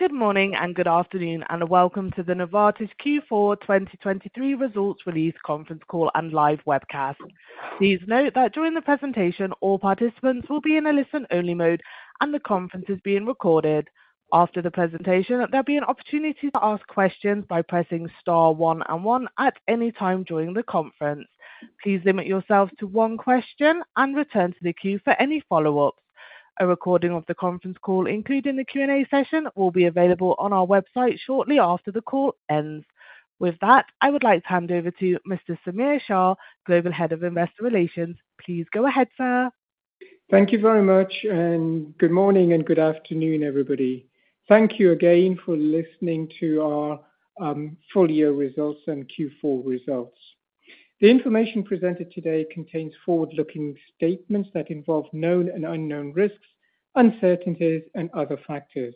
Good morning and good afternoon, and welcome to the Novartis Q4 2023 Results Release Conference Call and live webcast. Please note that during the presentation, all participants will be in a listen-only mode, and the conference is being recorded. After the presentation, there'll be an opportunity to ask questions by pressing star one and one at any time during the conference. Please limit yourselves to one question and return to the queue for any follow-ups. A recording of the conference call, including the Q&A session, will be available on our website shortly after the call ends. With that, I would like to hand over to Mr. Samir Shah, Global Head of Investor Relations. Please go ahead, sir. Thank you very much, and good morning and good afternoon, everybody. Thank you again for listening to our full-year results and Q4 results. The information presented today contains forward-looking statements that involve known and unknown risks, uncertainties, and other factors.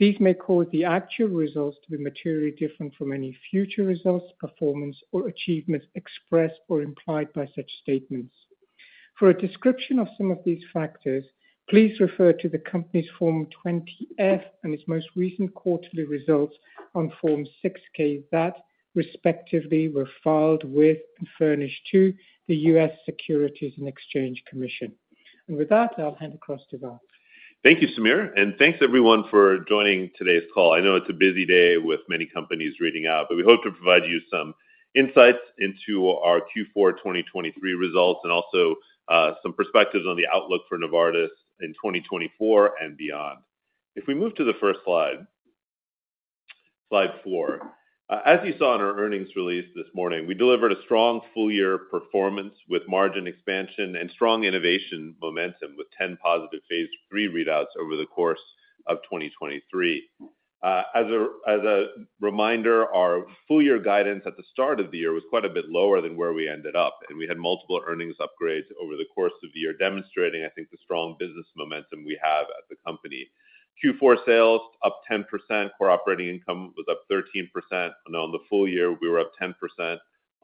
These may cause the actual results to be materially different from any future results, performance, or achievements expressed or implied by such statements. For a description of some of these factors, please refer to the company's Form 20-F and its most recent quarterly results on Form 6-K that respectively were filed with and furnished to the U.S. Securities and Exchange Commission. With that, I'll hand across to Vas. Thank you, Samir, and thanks everyone for joining today's call. I know it's a busy day with many companies reading out, but we hope to provide you some insights into our Q4 2023 results and also some perspectives on the outlook for Novartis in 2024 and beyond. If we move to the first slide, slide 4. As you saw in our earnings release this morning, we delivered a strong full-year performance with margin expansion and strong innovation momentum, with 10 positive phase III readouts over the course of 2023. As a reminder, our full year guidance at the start of the year was quite a bit lower than where we ended up, and we had multiple earnings upgrades over the course of the year, demonstrating, I think, the strong business momentum we have at the company. Q4 sales up 10%, core operating income was up 13%, and on the full year we were up 10%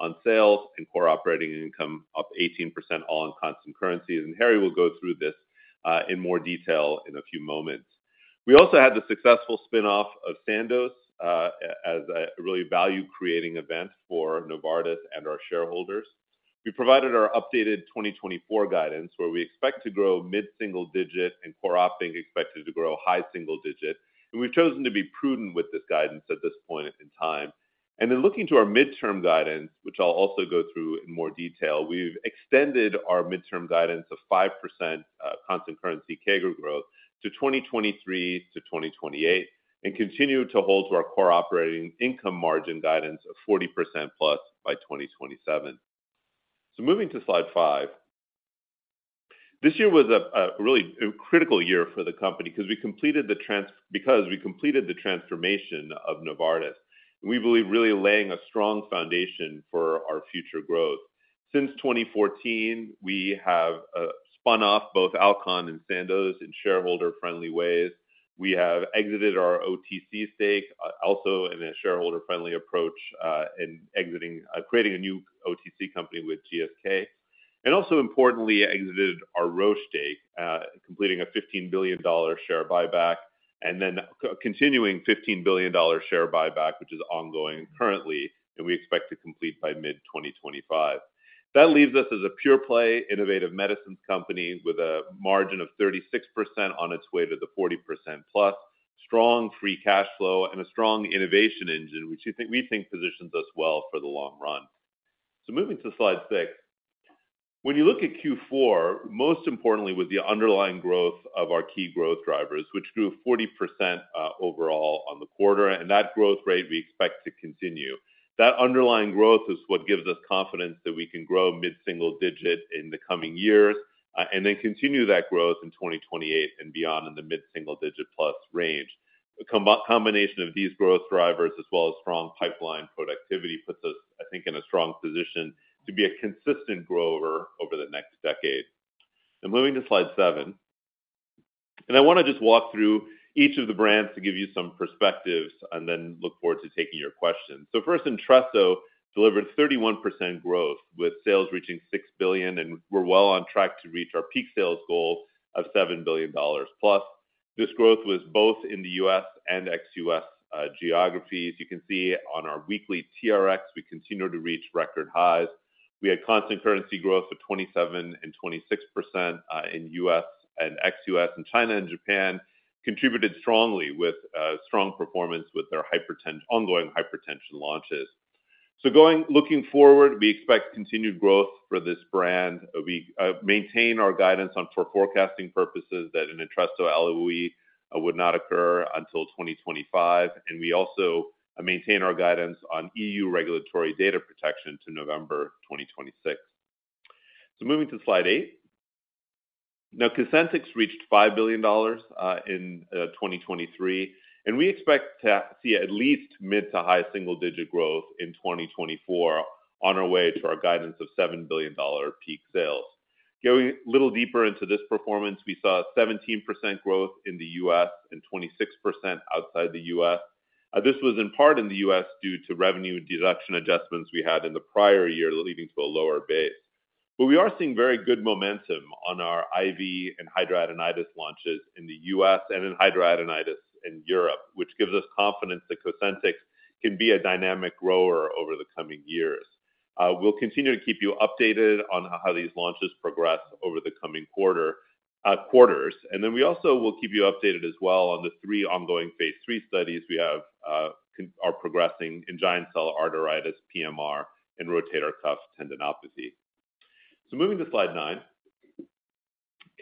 on sales and core operating income up 18%, all on constant currencies. Harry will go through this in more detail in a few moments. We also had the successful spin-off of Sandoz as a really value-creating event for Novartis and our shareholders. We provided our updated 2024 guidance, where we expect to grow mid-single-digit and core operating expected to grow high single-digit. We've chosen to be prudent with this guidance at this point in time. Looking to our midterm guidance, which I'll also go through in more detail, we've extended our midterm guidance of 5% constant currency CAGR to 2023-2028, and continue to hold to our core operating income margin guidance of 40%+ by 2027. Moving to slide 5. This year was a really critical year for the company because we completed the transformation of Novartis, and we believe really laying a strong foundation for our future growth. Since 2014, we have spun off both Alcon and Sandoz in shareholder-friendly ways. We have exited our OTC stake, also in a shareholder-friendly approach, in exiting, creating a new OTC company with GSK, and also importantly, exited our Roche stake, completing a $15 billion share buyback and then continuing $15 billion share buyback, which is ongoing currently, and we expect to complete by mid-2025. That leaves us as a pure play innovative medicines company with a margin of 36% on its way to the 40%+, strong free cash flow and a strong innovation engine, which I think, we think positions us well for the long run. Moving to slide 6. When you look at Q4, most importantly, with the underlying growth of our key growth drivers, which grew 40%, overall on the quarter, and that growth rate we expect to continue. That underlying growth is what gives us confidence that we can grow mid-single-digit in the coming years, and then continue that growth in 2028 and beyond in the mid-single-digit plus range. A combination of these growth drivers, as well as strong pipeline productivity, puts us, I think, in a strong position to be a consistent grower over the next decade. Moving to slide 7. I want to just walk through each of the brands to give you some perspectives and then look forward to taking your questions. So first, Entresto delivered 31% growth, with sales reaching $6 billion, and we're well on track to reach our peak sales goal of $7+ billion. This growth was both in the U.S. and ex-U.S. geographies. You can see on our weekly TRX, we continue to reach record highs. We had constant currency growth of 27% and 26% in U.S. and ex-U.S., and China and Japan contributed strongly with strong performance with their ongoing hypertension launches. Looking forward, we expect continued growth for this brand. We maintain our guidance on, for forecasting purposes, that an Entresto LOE would not occur until 2025, and we also maintain our guidance on EU regulatory data protection to November 2026. So moving to slide 8. Now, Cosentyx reached $5 billion in 2023, and we expect to see at least mid- to high single-digit growth in 2024 on our way to our guidance of $7 billion peak sales. Going a little deeper into this performance, we saw 17% growth in the U.S. and 26% outside the U.S. This was in part in the U.S. due to revenue deduction adjustments we had in the prior year, leading to a lower base. But we are seeing very good momentum on our IV and Hidradenitis launches in the U.S. and in Hidradenitis in Europe, which gives us confidence that Cosentyx can be a dynamic grower over the coming years. We'll continue to keep you updated on how these launches progress over the coming quarter, quarters. Then we also will keep you updated as well on the three ongoing phase III studies we have are progressing in giant cell arteritis, PMR, and rotator cuff tendinopathy. So moving to slide nine.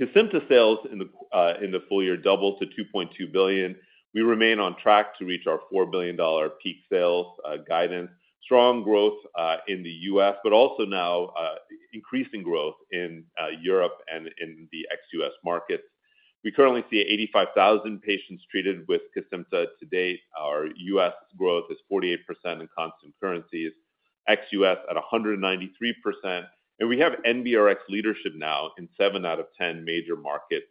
Cosentyx sales in the full year doubled to 2.2 billion. We remain on track to reach our CHF 4 billion peak sales guidance. Strong growth in the US, but also now increasing growth in Europe and in the ex-US markets. We currently see 85,000 patients treated with Cosentyx to date. Our US growth is 48% in constant currencies, ex-US at 193%, and we have NBRX leadership now in 7 out of 10 major markets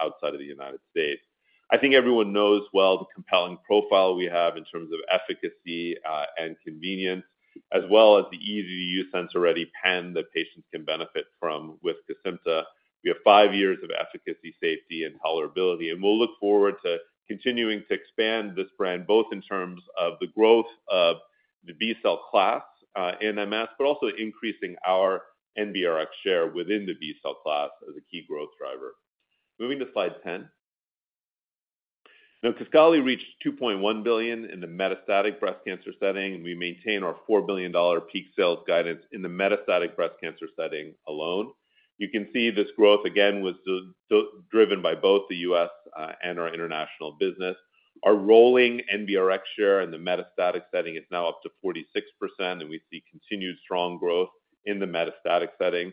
outside of the United States. I think everyone knows well the compelling profile we have in terms of efficacy and convenience, as well as the easy-to-use sensor-ready pen that patients can benefit from with Cosentyx. We have 5 years of efficacy, safety, and tolerability, and we'll look forward to continuing to expand this brand, both in terms of the growth of the B-cell class in MS, but also increasing our NBRX share within the B-cell class as a key growth driver. Moving to slide ten. Now, Kesimpta reached $2.1 billion in the metastatic breast cancer setting, and we maintain our $4 billion peak sales guidance in the metastatic breast cancer setting alone. You can see this growth again was driven by both the U.S. and our international business. Our rolling NBRX share in the metastatic setting is now up to 46%, and we see continued strong growth in the metastatic setting.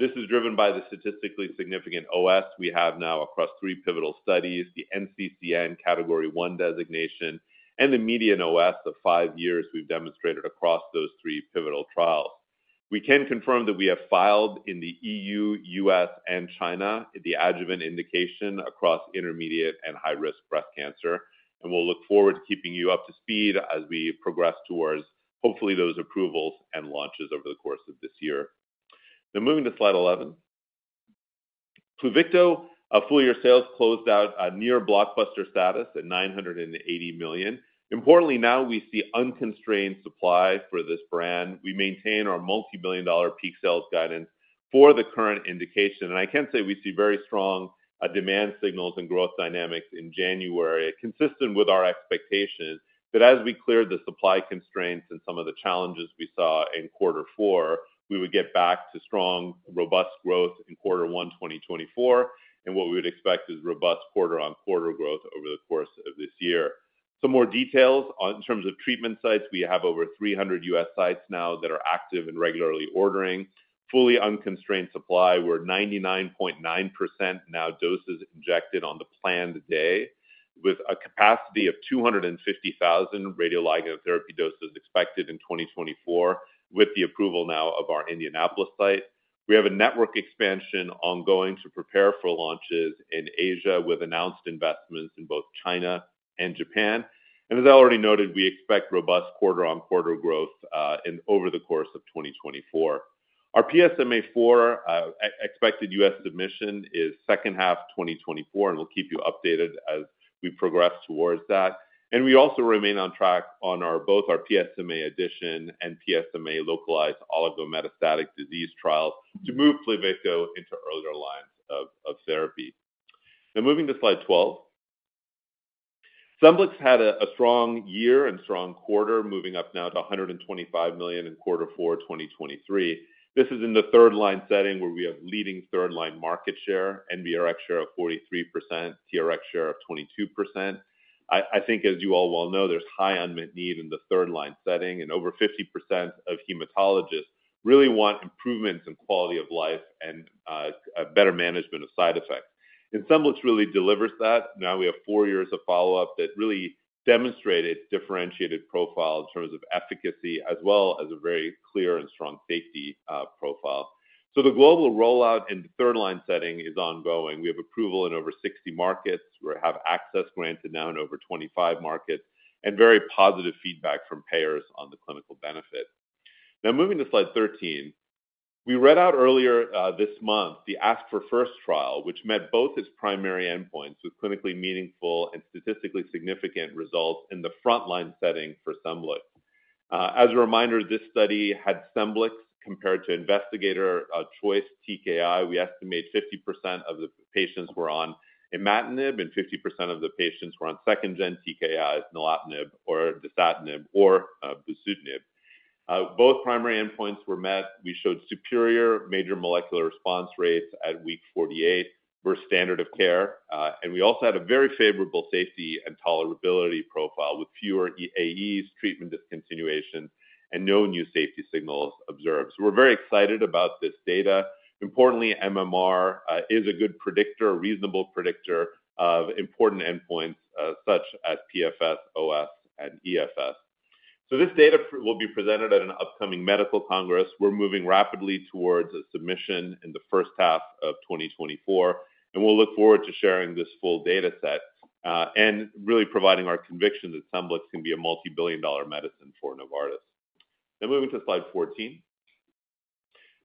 This is driven by the statistically significant OS we have now across three pivotal studies, the NCCN Category One designation, and the median OS of 5 years we've demonstrated across those three pivotal trials. We can confirm that we have filed in the EU, US, and China, the adjuvant indication across intermediate and high-risk breast cancer, and we'll look forward to keeping you up to speed as we progress towards, hopefully, those approvals and launches over the course of this year. Now, moving to slide 11. Pluvicto, a full year sales closed out at near blockbuster status at 980 million. Importantly, now we see unconstrained supply for this brand. We maintain our multi-billion dollar peak sales guidance for the current indication, and I can say we see very strong demand signals and growth dynamics in January, consistent with our expectations that as we cleared the supply constraints and some of the challenges we saw in quarter four, we would get back to strong, robust growth in quarter one, 2024, and what we would expect is robust quarter-on-quarter growth over the course of this year. Some more details. On terms of treatment sites, we have over 300 U.S. sites now that are active and regularly ordering. Fully unconstrained supply, we're 99.9% now doses injected on the planned day, with a capacity of 250,000 radioligand therapy doses expected in 2024, with the approval now of our Indianapolis site. We have a network expansion ongoing to prepare for launches in Asia, with announced investments in both China and Japan. As I already noted, we expect robust quarter-on-quarter growth in over the course of 2024. Our PSMAfore expected US submission is second half 2024, and we'll keep you updated as we progress towards that. We also remain on track on our both our PSMAddition and PSMA localized oligometastatic disease trials to move Pluvicto into earlier lines of therapy. Now, moving to slide 12. Scemblix had a strong year and strong quarter, moving up now to $125 million in Q4 2023. This is in the third-line setting where we have leading third-line market share, NBRX share of 43%, TRX share of 22%. I think, as you all well know, there's high unmet need in the third-line setting, and over 50% of hematologists really want improvements in quality of life and a better management of side effects. Scemblix really delivers that. Now we have four years of follow-up that really demonstrated differentiated profile in terms of efficacy, as well as a very clear and strong safety profile. The global rollout in the third-line setting is ongoing. We have approval in over 60 markets. We have access granted now in over 25 markets, and very positive feedback from payers on the clinical benefit. Now, moving to slide 13. We read out earlier this month, the ASC4FIRST trial, which met both its primary endpoints with clinically meaningful and statistically significant results in the frontline setting for Scemblix. As a reminder, this study had Scemblix compared to investigator choice TKI. We estimate 50% of the patients were on imatinib, and 50% of the patients were on second-gen TKIs, nilotinib or dasatinib or bosutinib. Both primary endpoints were met. We showed superior major molecular response rates at week 48 versus standard of care, and we also had a very favorable safety and tolerability profile, with fewer AEs, treatment discontinuation, and no new safety signals observed. So we're very excited about this data. Importantly, MMR is a good predictor, a reasonable predictor, of important endpoints, such as PFS, OS, and EFS. So this data will be presented at an upcoming medical congress. We're moving rapidly towards a submission in the first half of 2024, and we'll look forward to sharing this full data set. really providing our conviction that Scemblix can be a multi-billion dollar medicine for Novartis. Now moving to slide 14.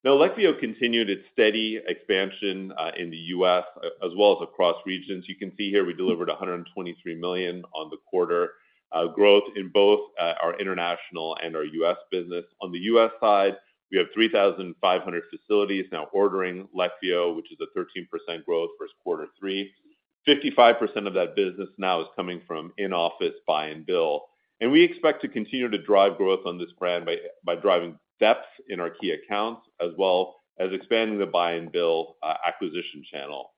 Now, Leqvio continued its steady expansion in the U.S., as well as across regions. You can see here we delivered $123 million on the quarter, growth in both our international and our U.S. business. On the U.S. side, we have 3,500 facilities now ordering Leqvio, which is a 13% growth versus quarter three. 55% of that business now is coming from in-office buy and bill. And we expect to continue to drive growth on this brand by driving depth in our key accounts, as well as expanding the buy and bill acquisition channel.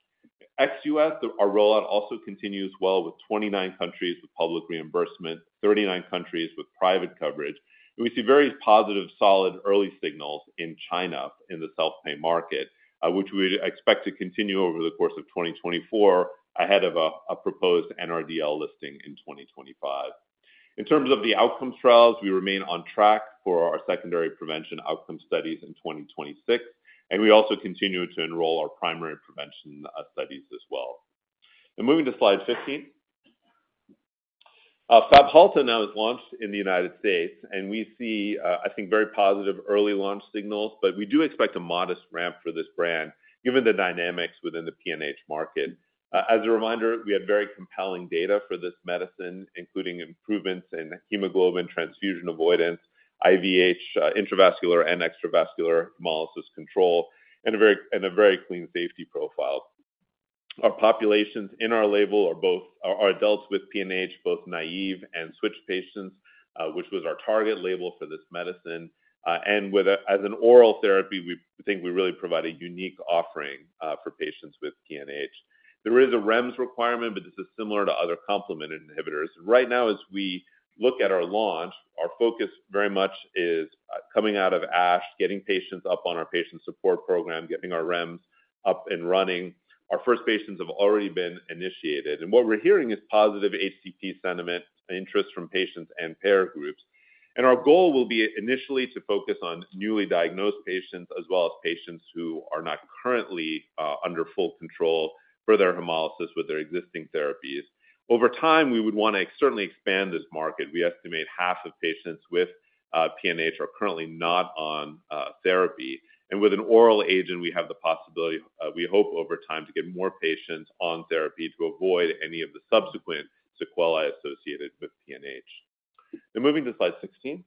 Ex-US, our rollout also continues well with 29 countries with public reimbursement, 39 countries with private coverage, and we see very positive, solid early signals in China in the self-pay market, which we expect to continue over the course of 2024, ahead of a proposed NRDL listing in 2025. In terms of the outcomes trials, we remain on track for our secondary prevention outcome studies in 2026, and we also continue to enroll our primary prevention studies as well. Now moving to slide 15. Fabhalta now is launched in the United States, and we see, I think, very positive early launch signals, but we do expect a modest ramp for this brand given the dynamics within the PNH market. As a reminder, we have very compelling data for this medicine, including improvements in hemoglobin transfusion avoidance, IVH, intravascular and extravascular hemolysis control, and a very clean safety profile. Our populations in our label are both adults with PNH, both naive and switch patients, which was our target label for this medicine. And as an oral therapy, we think we really provide a unique offering for patients with PNH. There is a REMS requirement, but this is similar to other complement inhibitors. Right now, as we look at our launch, our focus very much is coming out of ASH, getting patients up on our patient support program, getting our REMS up and running. Our first patients have already been initiated, and what we're hearing is positive HCP sentiment and interest from patients and payer groups. Our goal will be initially to focus on newly diagnosed patients, as well as patients who are not currently under full control for their hemolysis with their existing therapies. Over time, we would want to certainly expand this market. We estimate half of patients with PNH are currently not on therapy. And with an oral agent, we have the possibility, we hope over time, to get more patients on therapy to avoid any of the subsequent sequelae associated with PNH. Now moving to slide 16.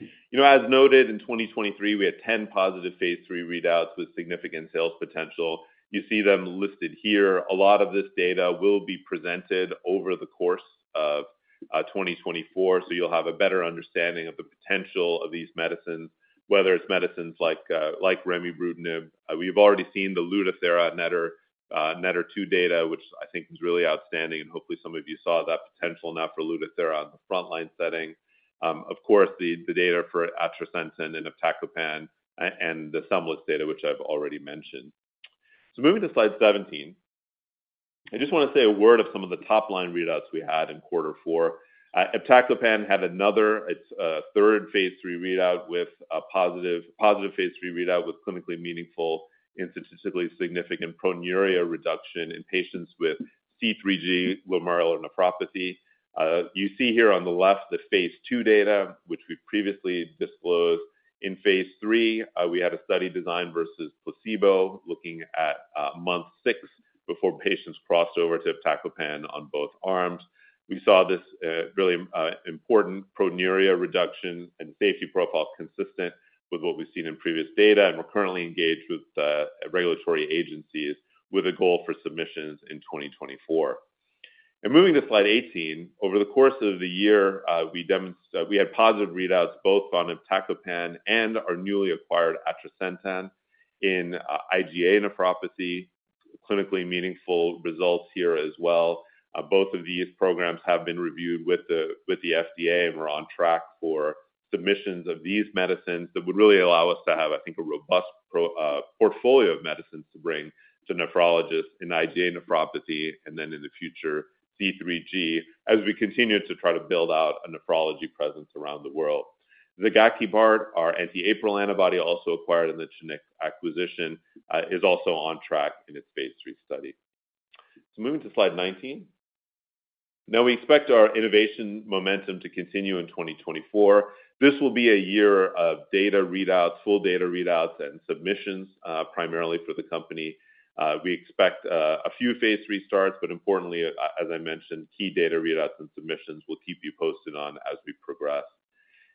You know, as noted in 2023, we had 10 positive phase III readouts with significant sales potential. You see them listed here. A lot of this data will be presented over the course of 2024, so you'll have a better understanding of the potential of these medicines, whether it's medicines like, like remibrutinib. We've already seen the Lutathera NETTER-2 data, which I think is really outstanding, and hopefully, some of you saw that potential now for Lutathera on the frontline setting. Of course, the data for atrasentan and iptacopan and the Scemblix data, which I've already mentioned. So moving to slide 17. I just want to say a word of some of the top-line readouts we had in quarter four. Iptacopan had another, its third phase III readout with a positive phase III readout with clinically meaningful and statistically significant proteinuria reduction in patients with C3G glomerulopathy. You see here on the left, the phase II data, which we previously disclosed. In phase III, we had a study design versus placebo, looking at month 6 before patients crossed over to iptacopan on both arms. We saw this really important proteinuria reduction and safety profile consistent with what we've seen in previous data, and we're currently engaged with regulatory agencies with a goal for submissions in 2024. Now moving to slide 18. Over the course of the year, we had positive readouts, both on iptacopan and our newly acquired atrasentan in IgA nephropathy, clinically meaningful results here as well. Both of these programs have been reviewed with the FDA, and we're on track for submissions of these medicines that would really allow us to have, I think, a robust portfolio of medicines to bring to nephrologists in IgA nephropathy, and then in the future, C3G, as we continue to try to build out a nephrology presence around the world. Zigakibart, our anti-APRIL antibody, also acquired in the Chinook acquisition, is also on track in its phase III study. Moving to slide 19. Now, we expect our innovation momentum to continue in 2024. This will be a year of data readouts, full data readouts and submissions, primarily for the company. We expect a few phase III starts, but importantly, as I mentioned, key data readouts and submissions we'll keep you posted on as we progress.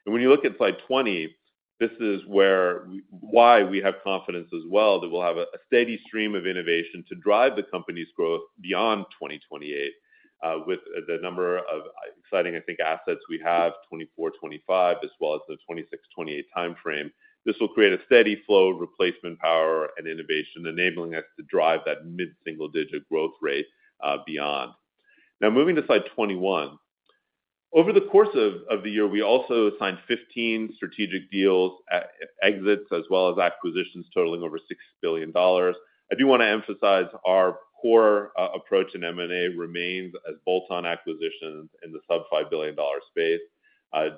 And when you look at slide 20, this is why we have confidence as well, that we'll have a steady stream of innovation to drive the company's growth beyond 2028, with the number of exciting, I think, assets we have, 2024, 2025, as well as the 2026-2028 time frame. This will create a steady flow of replacement, power and innovation, enabling us to drive that mid-single-digit growth rate beyond. Now, moving to slide 21. Over the course of the year, we also signed 15 strategic deals, and exits, as well as acquisitions totaling over $6 billion. I do want to emphasize our core approach in M&A remains as bolt-on acquisitions in the sub-$5 billion space.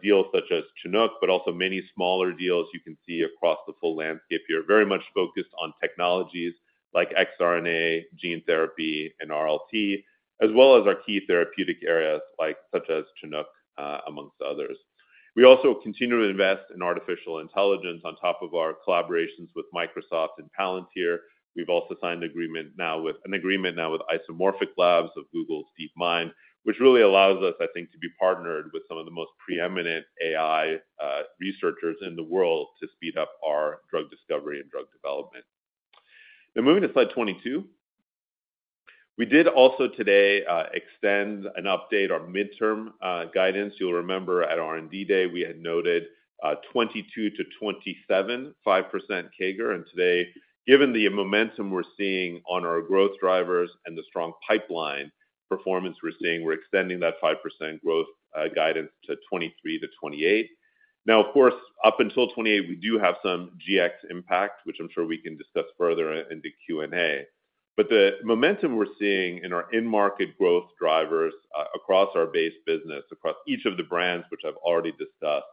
Deals such as Chinook, but also many smaller deals you can see across the full landscape here, very much focused on technologies like xRNA, gene therapy, and RLT, as well as our key therapeutic areas like such as Chinook, amongst others. We also continue to invest in artificial intelligence on top of our collaborations with Microsoft and Palantir. We've also signed an agreement now with Isomorphic Labs of Google DeepMind, which really allows us, I think, to be partnered with some of the most preeminent AI researchers in the world to speed up our drug discovery and drug development. Now, moving to slide 22. We did also today extend and update our midterm guidance. You'll remember at R&D Day, we had noted 22-27 5% CAGR. And today, given the momentum we're seeing on our growth drivers and the strong pipeline performance we're seeing, we're extending that 5% growth guidance to 23-28. Now, of course, up until 28, we do have some GX impact, which I'm sure we can discuss further in the Q&A. But the momentum we're seeing in our end market growth drivers across our base business, across each of the brands, which I've already discussed,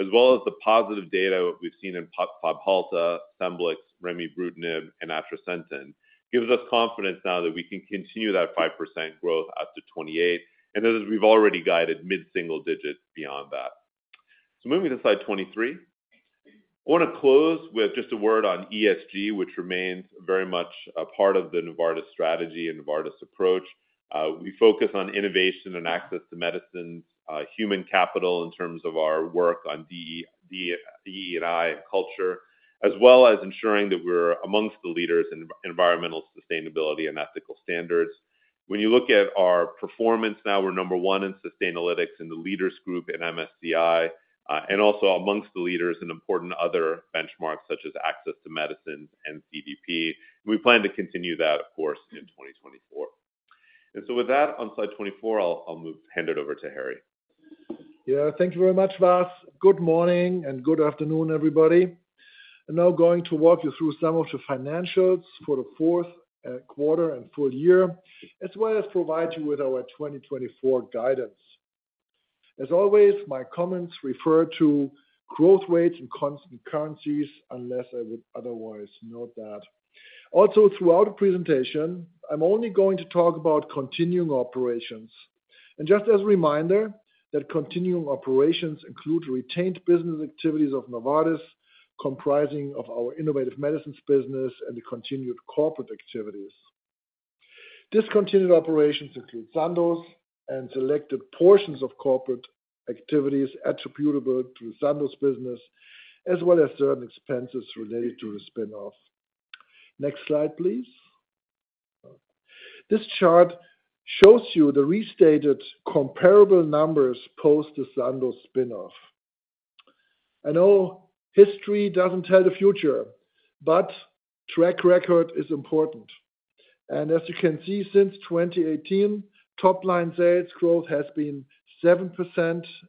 as well as the positive data we've seen in Fabhalta, Scemblix, remibrutinib and Atrasentan, gives us confidence now that we can continue that 5% growth out to 2028, and that is we've already guided mid-single digits beyond that. So moving to slide 23. I want to close with just a word on ESG, which remains very much a part of the Novartis strategy and Novartis approach. We focus on innovation and access to medicines, human capital in terms of our work on DE&I and culture, as well as ensuring that we're amongst the leaders in environmental sustainability and ethical standards. When you look at our performance, now we're number one in Sustainalytics, in the leaders group in MSCI, and also amongst the leaders in important other benchmarks such as access to medicines and CDP. We plan to continue that, of course, in 2024. And so with that, on slide 24, I'll hand it over to Harry. Yeah, thank you very much, Vas. Good morning and good afternoon, everybody. I'm now going to walk you through some of the financials for the fourth quarter and full year, as well as provide you with our 2024 guidance. As always, my comments refer to growth rates and constant currencies, unless I would otherwise note that. Also, throughout the presentation, I'm only going to talk about continuing operations. And just as a reminder, that continuing operations include retained business activities of Novartis, comprising of our innovative medicines business and the continued corporate activities. Discontinued operations include Sandoz and selected portions of corporate activities attributable to the Sandoz business, as well as certain expenses related to the spin-off. Next slide, please. This chart shows you the restated comparable numbers post the Sandoz spin-off. I know history doesn't tell the future, but track record is important. As you can see, since 2018, top line sales growth has been 7%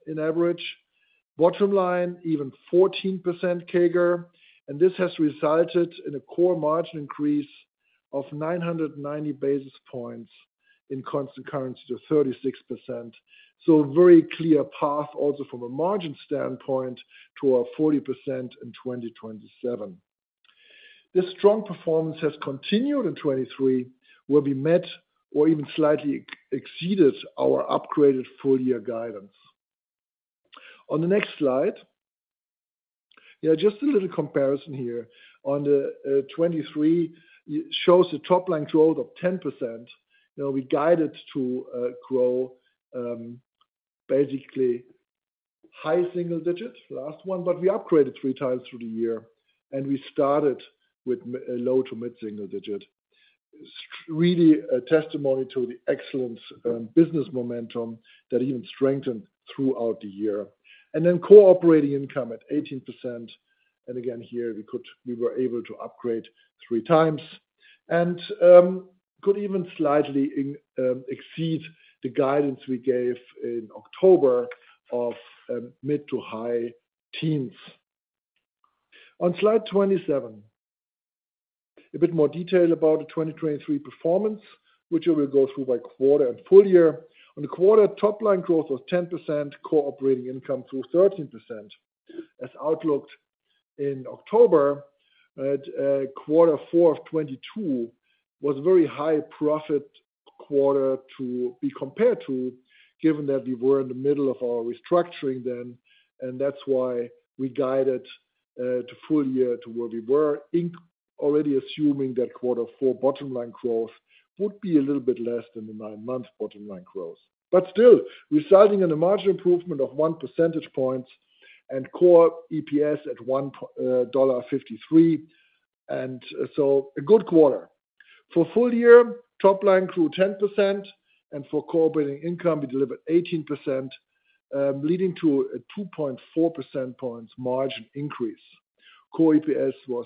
in average. Bottom line, even 14% CAGR, and this has resulted in a core margin increase of 990 basis points in constant currency to 36%. So a very clear path also from a margin standpoint to our 40% in 2027. This strong performance has continued in 2023, where we met or even slightly exceeded our upgraded full year guidance. On the next slide, yeah, just a little comparison here. On the 2023, it shows the top line growth of 10%. Now, we guided to grow basically high single digits, last one, but we upgraded 3 times through the year, and we started with a low to mid single digit. It's really a testimony to the excellent business momentum that even strengthened throughout the year. And then core operating income at 18%. And again, here, we could—we were able to upgrade three times and could even slightly exceed the guidance we gave in October of mid- to high-teens. On slide 27, a bit more detail about the 2023 performance, which I will go through by quarter and full year. On the quarter, top line growth was 10%, core operating income through 13%. As outlooked in October, at quarter four of 2022 was a very high profit quarter to be compared to, given that we were in the middle of our restructuring then, and that's why we guided, the full year to where we were, already assuming that quarter four bottom line growth would be a little bit less than the nine-month bottom line growth. But still, resulting in a margin improvement of 1 percentage point and core EPS at $1.53, and so a good quarter. For full year, top line grew 10%, and for core operating income, we delivered 18%, leading to a 2.4 percentage points margin increase. Core EPS was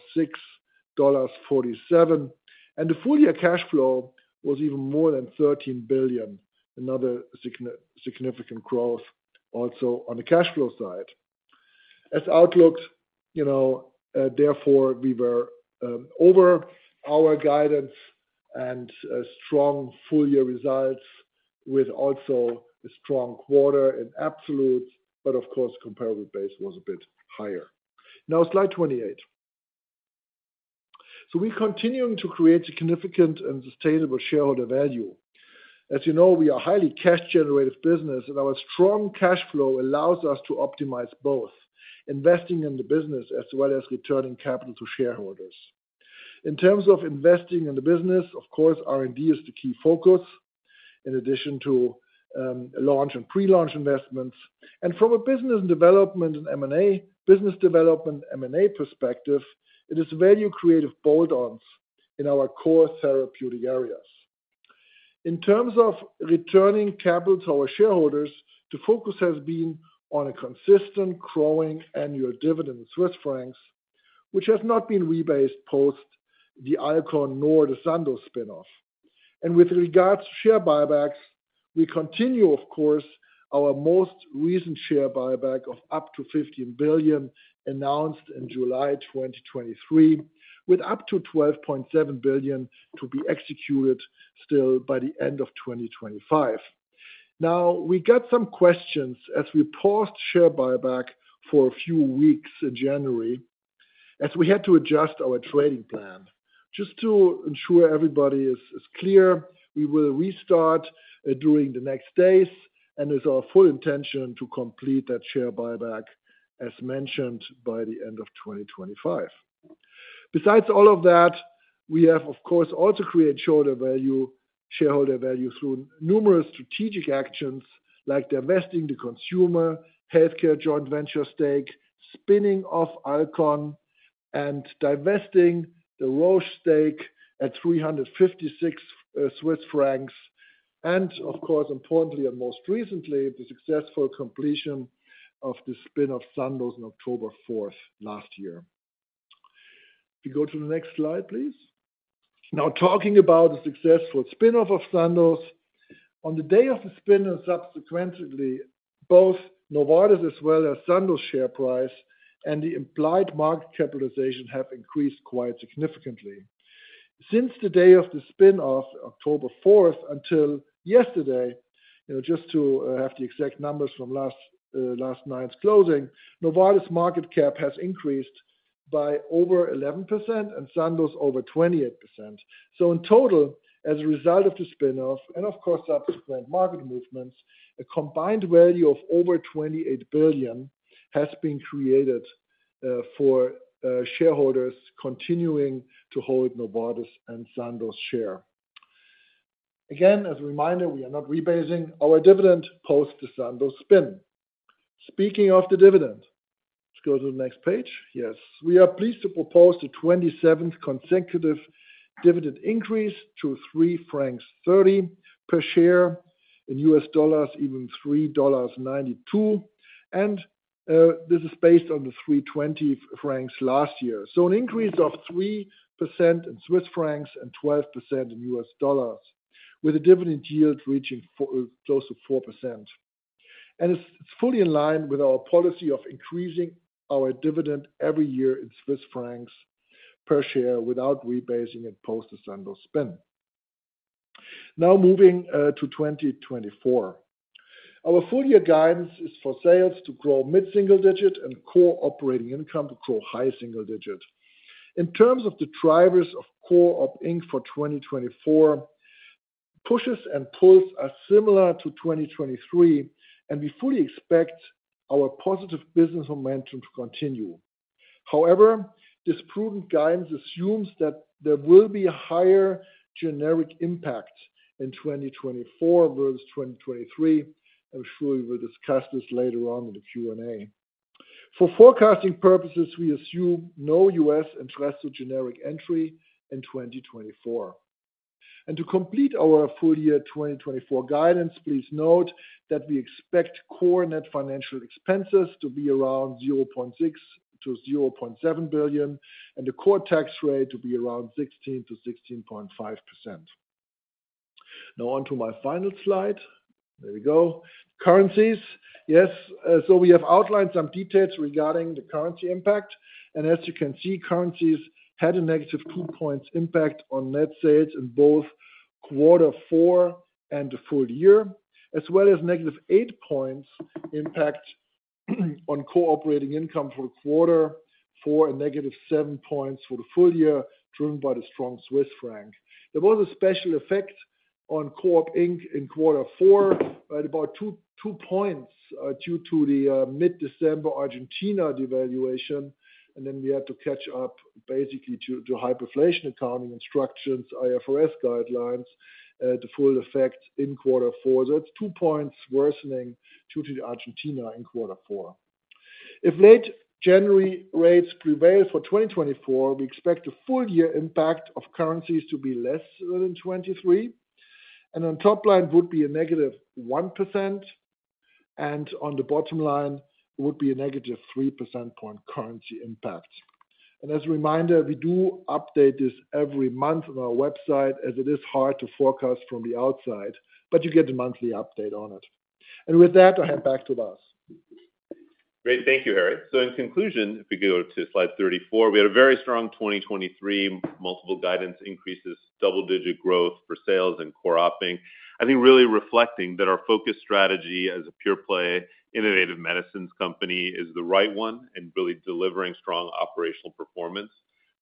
$6.47, and the full-year cash flow was even more than $13 billion, another significant growth also on the cash flow side. As outlooked, you know, therefore, we were over our guidance and a strong full year results with also a strong quarter in absolute, but of course, comparable base was a bit higher. Now, slide 28. So we're continuing to create significant and sustainable shareholder value. As you know, we are a highly cash generative business, and our strong cash flow allows us to optimize both: investing in the business as well as returning capital to shareholders. In terms of investing in the business, of course, R&D is the key focus, in addition to launch and pre-launch investments. And from a business development and M&A, business development M&A perspective, it is value creative add-ons in our core therapeutic areas. In terms of returning capital to our shareholders, the focus has been on a consistent growing annual dividend in Swiss francs, which has not been rebased post the Alcon nor the Sandoz spin-off. With regards to share buybacks, we continue, of course, our most recent share buyback of up to 15 billion, announced in July 2023, with up to 12.7 billion to be executed still by the end of 2025. Now, we got some questions as we paused share buyback for a few weeks in January, as we had to adjust our trading plan. Just to ensure everybody is clear, we will restart during the next days, and it's our full intention to complete that share buyback, as mentioned, by the end of 2025. Besides all of that, we have, of course, also created shareholder value, shareholder value through numerous strategic actions, like divesting the consumer healthcare joint venture stake, spinning off Alcon, and divesting the Roche stake at 356 Swiss francs. And of course, importantly, and most recently, the successful completion of the spin-off Sandoz on October 4 last year. If you go to the next slide, please. Now, talking about the successful spin-off of Sandoz. On the day of the spin and subsequently, both Novartis as well as Sandoz share price and the implied market capitalization have increased quite significantly. Since the day of the spin-off, October 4, until yesterday, you know, just to have the exact numbers from last night's closing, Novartis market cap has increased by over 11% and Sandoz over 28%. So in total, as a result of the spin-off and of course, subsequent market movements, a combined value of over 28 billion has been created for shareholders continuing to hold Novartis and Sandoz shares. Again, as a reminder, we are not rebasing our dividend post the Sandoz spin. Speaking of the dividend, let's go to the next page. Yes, we are pleased to propose the 27th consecutive dividend increase to 3.30 francs per share, in US dollars equivalent $3.92. And this is based on the 3.20 francs last year. So an increase of 3% in Swiss francs and 12% in US dollars, with a dividend yield reaching close to 4%. And it's fully in line with our policy of increasing our dividend every year in Swiss francs per share without rebasing it post the Sandoz spin. Now, moving to 2024. Our full year guidance is for sales to grow mid-single digit and core operating income to grow high single digit. In terms of the drivers of core op inc. for 2024, pushes and pulls are similar to 2023, and we fully expect our positive business momentum to continue. However, this prudent guidance assumes that there will be a higher generic impact in 2024 versus 2023. I'm sure we will discuss this later on in the Q&A. For forecasting purposes, we assume no US Entresto generic entry in 2024. And to complete our full year 2024 guidance, please note that we expect core net financial expenses to be around $0.6 billion-$0.7 billion, and the core tax rate to be around 16%-16.5%. Now on to my final slide. There we go. Currencies. Yes, so we have outlined some details regarding the currency impact, and as you can see, currencies had a - 2 points impact on net sales in both quarter four and the full year, as well as -8 points impact on core operating income for quarter four, and -7 points for the full year, driven by the strong Swiss franc. There was a special effect on core operating income in quarter four, at about 2, 2 points, due to the mid-December Argentina devaluation, and then we had to catch up basically to hyperinflation accounting instructions, IFRS guidelines, the full effect in quarter four. That's 2 points worsening due to the Argentina in quarter four. If late January rates prevail for 2024, we expect the full-year impact of currencies to be less than 2023, and on top line would be a -1%, and on the bottom line would be a -3 percentage point currency impact. As a reminder, we do update this every month on our website, as it is hard to forecast from the outside, but you get a monthly update on it. With that, I'll hand back to Vas. Great. Thank you, Harry. So in conclusion, if we go to slide 34, we had a very strong 2023 multiple guidance increases, double-digit growth for sales and core operating. I think really reflecting that our focus strategy as a pure-play innovative medicines company is the right one and really delivering strong operational performance.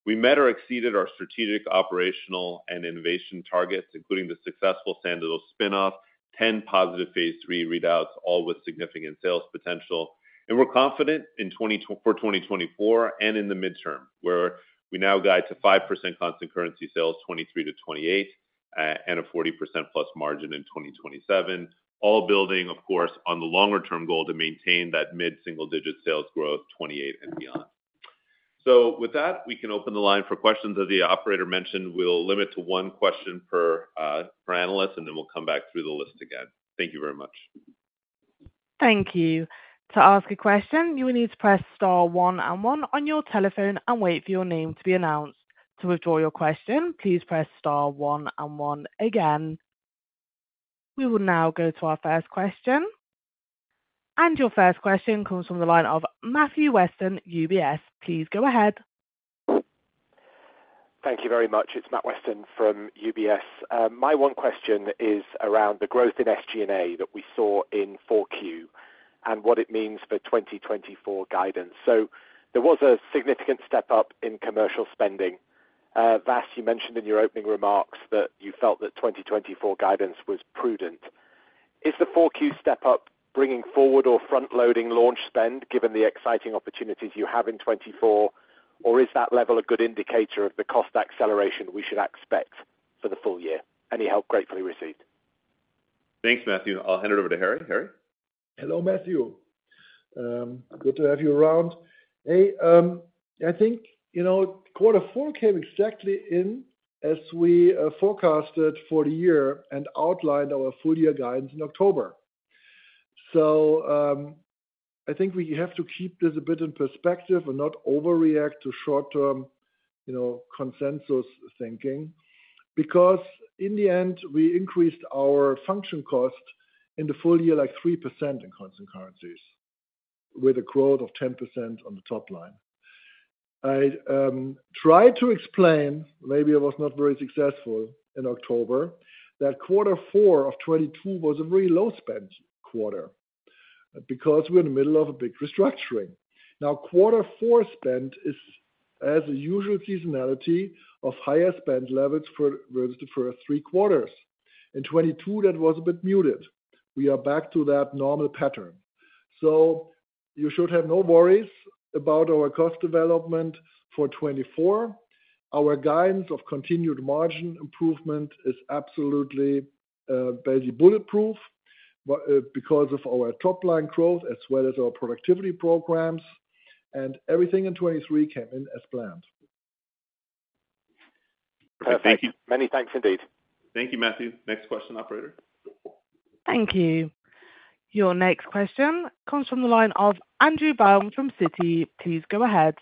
We met or exceeded our strategic, operational, and innovation targets, including the successful Sandoz spinoff, 10 positive phase III readouts, all with significant sales potential. And we're confident in twenty—for 2024 and in the midterm, where we now guide to 5% constant currency sales, 2023-2028, and a 40%+ margin in 2027, all building, of course, on the longer-term goal to maintain that mid-single-digit sales growth, 2028 and beyond. So with that, we can open the line for questions. As the operator mentioned, we'll limit to one question per analyst, and then we'll come back through the list again. Thank you very much. Thank you. To ask a question, you will need to press star one and one on your telephone and wait for your name to be announced. To withdraw your question, please press star one and one again. We will now go to our first question. Your first question comes from the line of Matthew Weston, UBS. Please go ahead. Thank you very much. It's Matt Weston from UBS. My one question is around the growth in SG&A that we saw in Q4 and what it means for 2024 guidance. So there was a significant step up in commercial spending. Vas, you mentioned in your opening remarks that you felt that 2024 guidance was prudent. Is the Q4 step up bringing forward or front-loading launch spend, given the exciting opportunities you have in 2024? Or is that level a good indicator of the cost acceleration we should expect for the full year? Any help gratefully received. Thanks, Matthew. I'll hand it over to Harry. Harry? Hello, Matthew. Good to have you around. Hey, I think, you know, quarter four came exactly in as we forecasted for the year and outlined our full year guidance in October. So, I think we have to keep this a bit in perspective and not overreact to short-term, you know, consensus thinking, because in the end, we increased our function cost in the full year, like 3% in constant currencies, with a growth of 10% on the top line. I tried to explain, maybe I was not very successful in October, that quarter four of 2022 was a very low-spent quarter because we're in the middle of a big restructuring. Now, quarter four spend is as a usual seasonality of higher spend levels for versus the first three quarters. In 2022, that was a bit muted. We are back to that normal pattern. So you should have no worries about our cost development for 2024. Our guidance of continued margin improvement is absolutely, basically bulletproof, but, because of our top-line growth as well as our productivity programs, and everything in 2023 came in as planned. Perfect. Thank you. Many thanks, indeed. Thank you, Matthew. Next question, operator? Thank you. Your next question comes from the line of Andrew Baum from Citi. Please go ahead.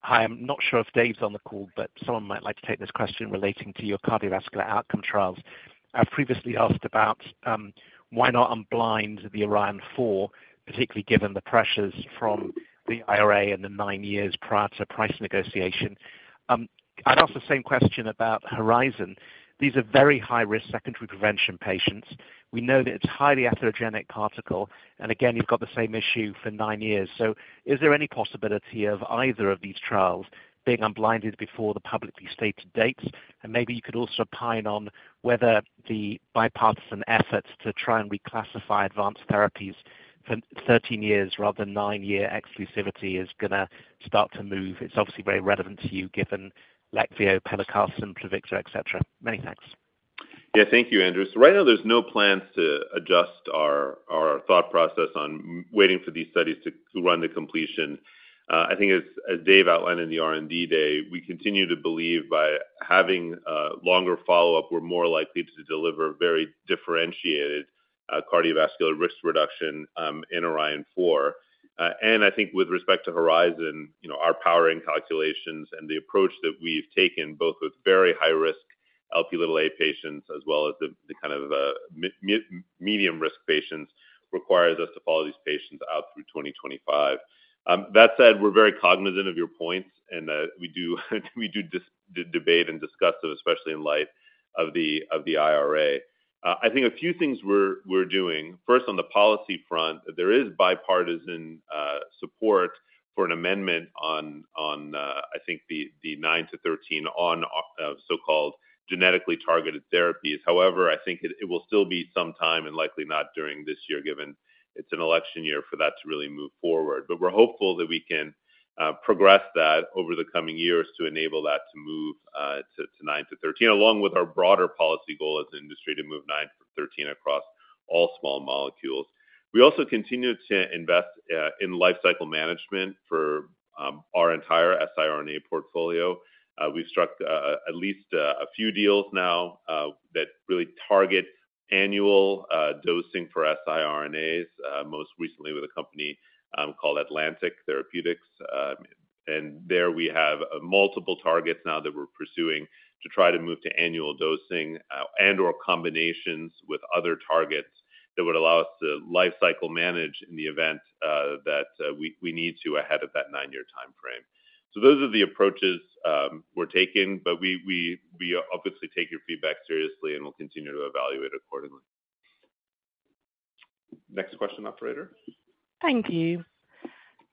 Hi, I'm not sure if Dave's on the call, but someone might like to take this question relating to your cardiovascular outcome trials. I've previously asked about why not unblind the Orion 4, particularly given the pressures from the IRA in the 9 years prior to price negotiation. I'd ask the same question about Horizon. These are very high-risk secondary prevention patients. We know that it's highly atherogenic particle, and again, you've got the same issue for 9 years. So is there any possibility of either of these trials being unblinded before the publicly stated dates? And maybe you could also weigh in on whether the bipartisan efforts to try and reclassify advanced therapies for 13 years rather than 9-year exclusivity is going to start to move. It's obviously very relevant to you, given Leqvio, pelacarsen, Pluvicto, et cetera. Many thanks. Yeah, thank you, Andrew. So right now, there's no plans to adjust our thought process on waiting for these studies to run the completion. I think as Dave outlined in the R&D day, we continue to believe by having a longer follow-up, we're more likely to deliver very differentiated cardiovascular risk reduction in Orion four. And I think with respect to Horizon, you know, our powering calculations and the approach that we've taken, both with very high risk Lp(a) patients as well as the kind of medium risk patients, requires us to follow these patients out through 2025. That said, we're very cognizant of your points and we do debate and discuss those, especially in light of the IRA. I think a few things we're doing. First, on the policy front, there is bipartisan support for an amendment on, on, I think the, the 9-13 on, so-called genetically targeted therapies. However, I think it, it will still be some time and likely not during this year, given it's an election year, for that to really move forward. But we're hopeful that we can progress that over the coming years to enable that to move, to, to 9-13, along with our broader policy goal as an industry to move 9-13 across all small molecules. We also continue to invest in lifecycle management for our entire siRNA portfolio. We've struck at least a few deals now that really target annual dosing for siRNAs, most recently with a company called Atalanta Therapeutics. And there we have multiple targets now that we're pursuing to try to move to annual dosing, and/or combinations with other targets that would allow us to life cycle manage in the event that we obviously take your feedback seriously, and we'll continue to evaluate accordingly. Next question, operator. Thank you.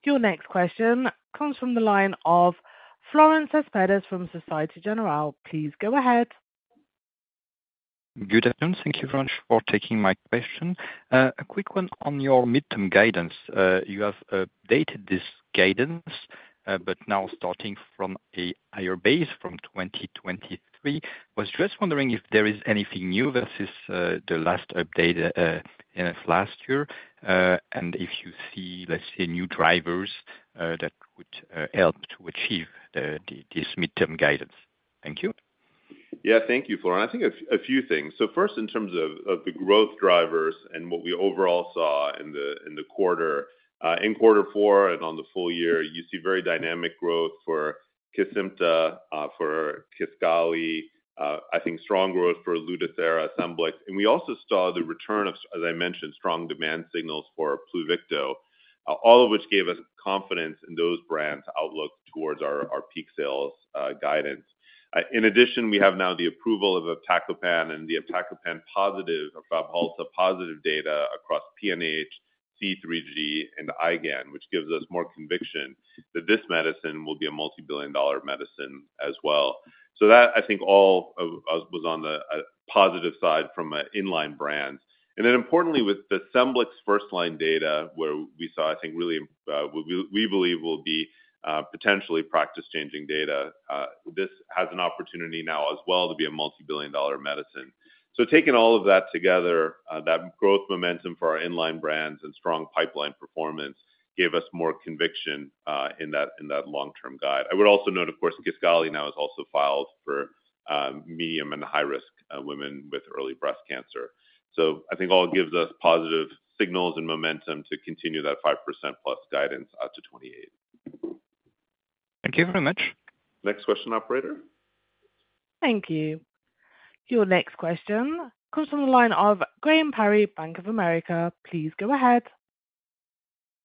Your next question comes from the line of Florent Cespedes from Société Générale. Please go ahead. Good afternoon. Thank you very much for taking my question. A quick one on your midterm guidance. You have updated this guidance, but now starting from a higher base from 2023. Was just wondering if there is anything new versus the last update, end of last year, and if you see, let's say, new drivers that would help to achieve the this midterm guidance. Thank you. Yeah. Thank you, Florence. I think a few things. So first, in terms of the growth drivers and what we overall saw in the quarter in quarter four and on the full year, you see very dynamic growth for Kesimpta, for Kesimpta, I think strong growth for Lutathera, Scemblix. And we also saw the return of, as I mentioned, strong demand signals for Pluvicto, all of which gave us confidence in those brands' outlook towards our peak sales guidance. In addition, we have now the approval of Fabhalta and the Fabhalta-positive data across PNH, C3G, and IgAN, which gives us more conviction that this medicine will be a multi-billion dollar medicine as well. So that, I think, all of us was on the positive side from an in-line brands. Then importantly, with the Scemblix first line data, where we saw, I think, really, we believe will be potentially practice-changing data. This has an opportunity now as well to be a multi-billion dollar medicine. So taking all of that together, that growth momentum for our in-line brands and strong pipeline performance gave us more conviction in that long-term guide. I would also note, of course, Kesimpta now is also filed for medium and high risk women with early breast cancer. So I think all gives us positive signals and momentum to continue that 5%+ guidance out to 2028. Thank you very much. Next question, operator. Thank you. Your next question comes from the line of Graham Parry, Bank of America. Please go ahead.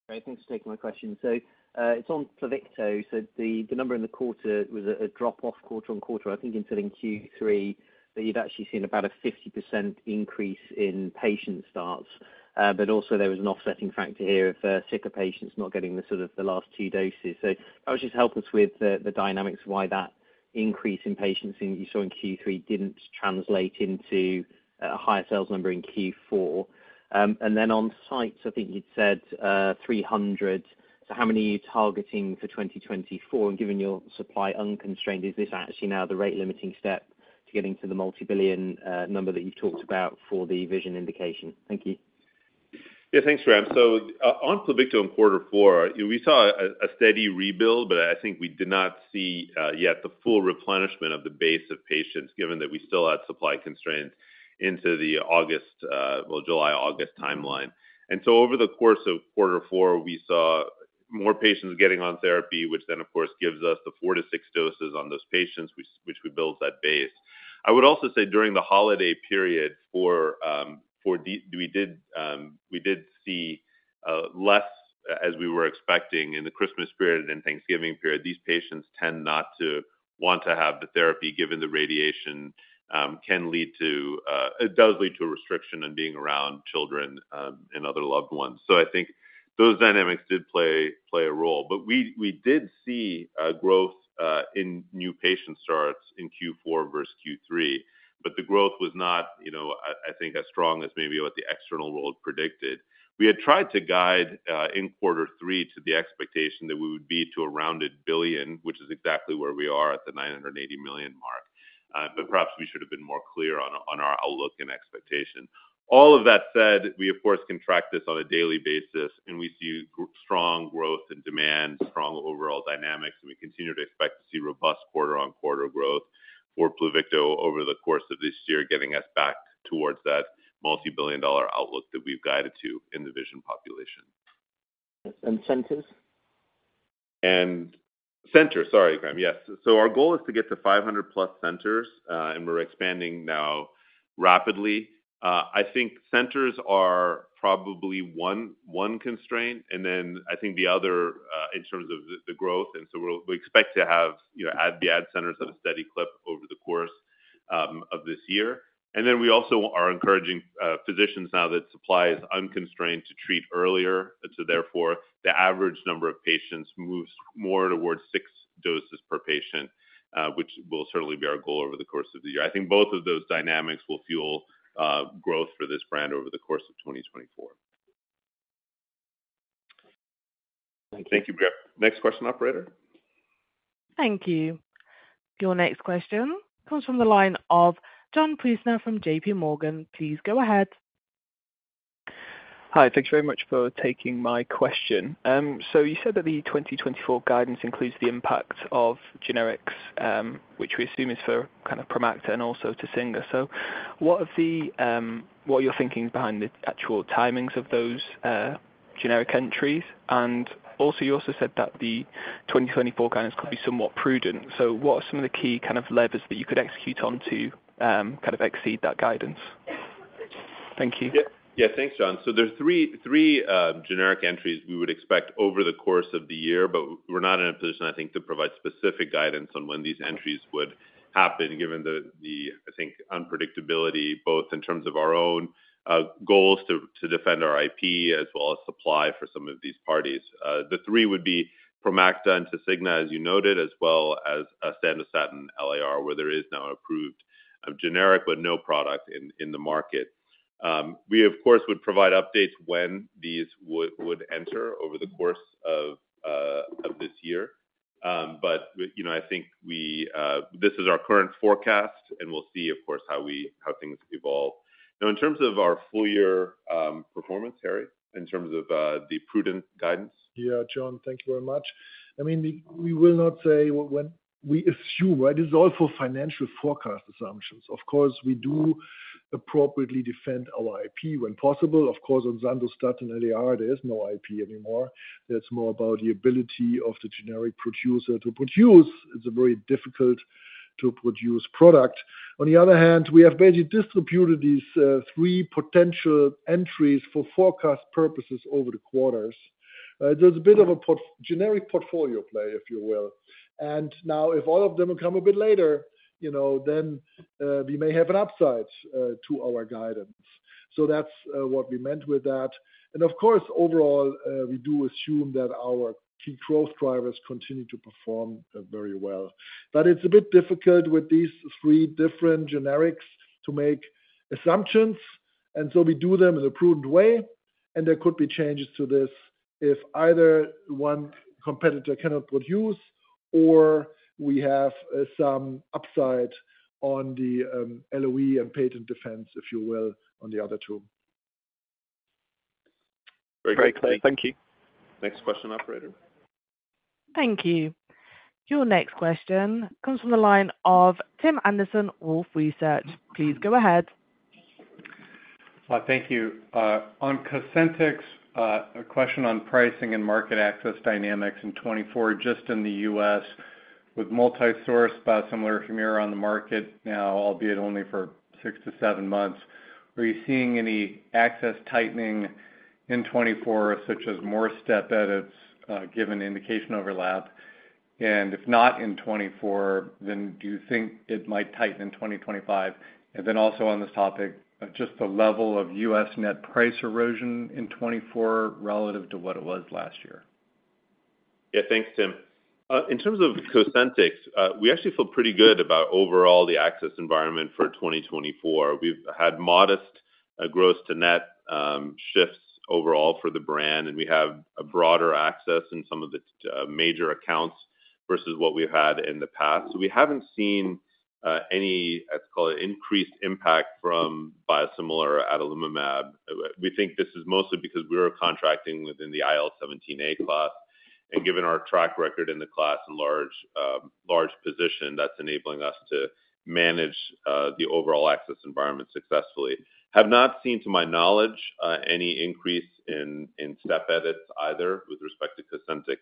Great. Thanks for taking my question. So, it's on Pluvicto. So the number in the quarter was a drop-off quarter-on-quarter, I think, until in Q3, but you've actually seen about a 50% increase in patient starts. But also there was an offsetting factor here of sicker patients not getting the sort of the last two doses. So I was just hoping with the dynamics why that increase in patients you saw in Q3 didn't translate into a higher sales number in Q4. And then on sites, I think you'd said 300. So how many are you targeting for 2024, and given your supply unconstrained, is this actually now the rate limiting step to getting to the multi-billion number that you talked about for the VISION indication? Thank you. Yeah, thanks, Graham. So on Pluvicto in quarter four, we saw a steady rebuild, but I think we did not see yet the full replenishment of the base of patients, given that we still had supply constraints into the August, well, July, August timeline. And so over the course of quarter four, we saw more patients getting on therapy, which then, of course, gives us the 4-6 doses on those patients, which we build that base. I would also say during the holiday period. We did see less, as we were expecting in the Christmas period and Thanksgiving period. These patients tend not to want to have the therapy given the radiation can lead to it does lead to a restriction on being around children and other loved ones. So I think those dynamics did play a role, but we did see a growth in new patient starts in Q4 versus Q3, but the growth was not, you know, I think, as strong as maybe what the external world predicted. We had tried to guide in quarter three to the expectation that we would be to a rounded $1 billion, which is exactly where we are at the $980 million mark. But perhaps we should have been more clear on our outlook and expectation. All of that said, we of course can track this on a daily basis, and we see strong growth and demand, strong overall dynamics, and we continue to expect to see robust quarter-on-quarter growth for Pluvicto over the course of this year, getting us back towards that multi-billion-dollar outlook that we've guided to in the vision population. And centers? And centers, sorry, Graham. Yes. So our goal is to get to 500+ centers, and we're expanding now rapidly. I think centers are probably one constraint, and then I think the other in terms of the growth, and so we expect to have, you know, add centers at a steady clip over the course of this year. And then we also are encouraging physicians now that supply is unconstrained to treat earlier, and so therefore, the average number of patients moves more towards 6 doses per patient, which will certainly be our goal over the course of the year. I think both of those dynamics will fuel growth for this brand over the course of 2024. Thank you. Thank you, Graham. Next question, operator. Thank you. Your next question comes from the line of John Priestner from JPMorgan. Please go ahead. ... Hi, thanks very much for taking my question. So you said that the 2024 guidance includes the impact of generics, which we assume is for kind of Promacta and also Tasigna. So what are the, what are your thinkings behind the actual timings of those, generic entries? And also, you also said that the 2024 guidance could be somewhat prudent. So what are some of the key kind of levers that you could execute on to, kind of exceed that guidance? Thank you. Yeah. Yeah, thanks, John. So there are three generic entries we would expect over the course of the year, but we're not in a position, I think, to provide specific guidance on when these entries would happen, given the I think unpredictability, both in terms of our own goals to defend our IP as well as supply for some of these parties. The three would be Promacta and Tasigna, as you noted, as well as Sandostatin LAR, where there is now an approved generic but no product in the market. We of course would provide updates when these would enter over the course of this year. But, you know, I think we this is our current forecast, and we'll see, of course, how things evolve. Now, in terms of our full year performance, Harry, in terms of the prudent guidance. Yeah, John, thank you very much. I mean, we will not say when we assume, right? This is all for financial forecast assumptions. Of course, we do appropriately defend our IP when possible. Of course, on Sandostatin LAR, there is no IP anymore. It's more about the ability of the generic producer to produce. It's a very difficult to produce product. On the other hand, we have basically distributed these three potential entries for forecast purposes over the quarters. There's a bit of a generic portfolio play, if you will. And now, if all of them will come a bit later, you know, then we may have an upside to our guidance. So that's what we meant with that. And of course, overall, we do assume that our key growth drivers continue to perform very well. But it's a bit difficult with these three different generics to make assumptions, and so we do them in a prudent way, and there could be changes to this if either one competitor cannot produce or we have some upside on the LOE and patent defense, if you will, on the other two. Very clear. Thank you. Next question, operator. Thank you. Your next question comes from the line of Tim Anderson, Wolfe Research. Please go ahead. Well, thank you. On Cosentyx, a question on pricing and market access dynamics in 2024, just in the US with multi-source biosimilar Humira on the market now, albeit only for 6-7 months. Are you seeing any access tightening in 2024, such as more step edits, given indication overlap? And if not in 2024, then do you think it might tighten in 2025? And then also on this topic, just the level of US net price erosion in 2024 relative to what it was last year. Yeah, thanks, Tim. In terms of Cosentyx, we actually feel pretty good about overall the access environment for 2024. We've had modest, gross to net, shifts overall for the brand, and we have a broader access in some of the, major accounts versus what we had in the past. So we haven't seen, any, let's call it increased impact from biosimilar adalimumab. We think this is mostly because we are contracting within the IL-17A class, and given our track record in the class and large, large position, that's enabling us to manage, the overall access environment successfully. Have not seen, to my knowledge, any increase in, in step edits either, with respect to Cosentyx,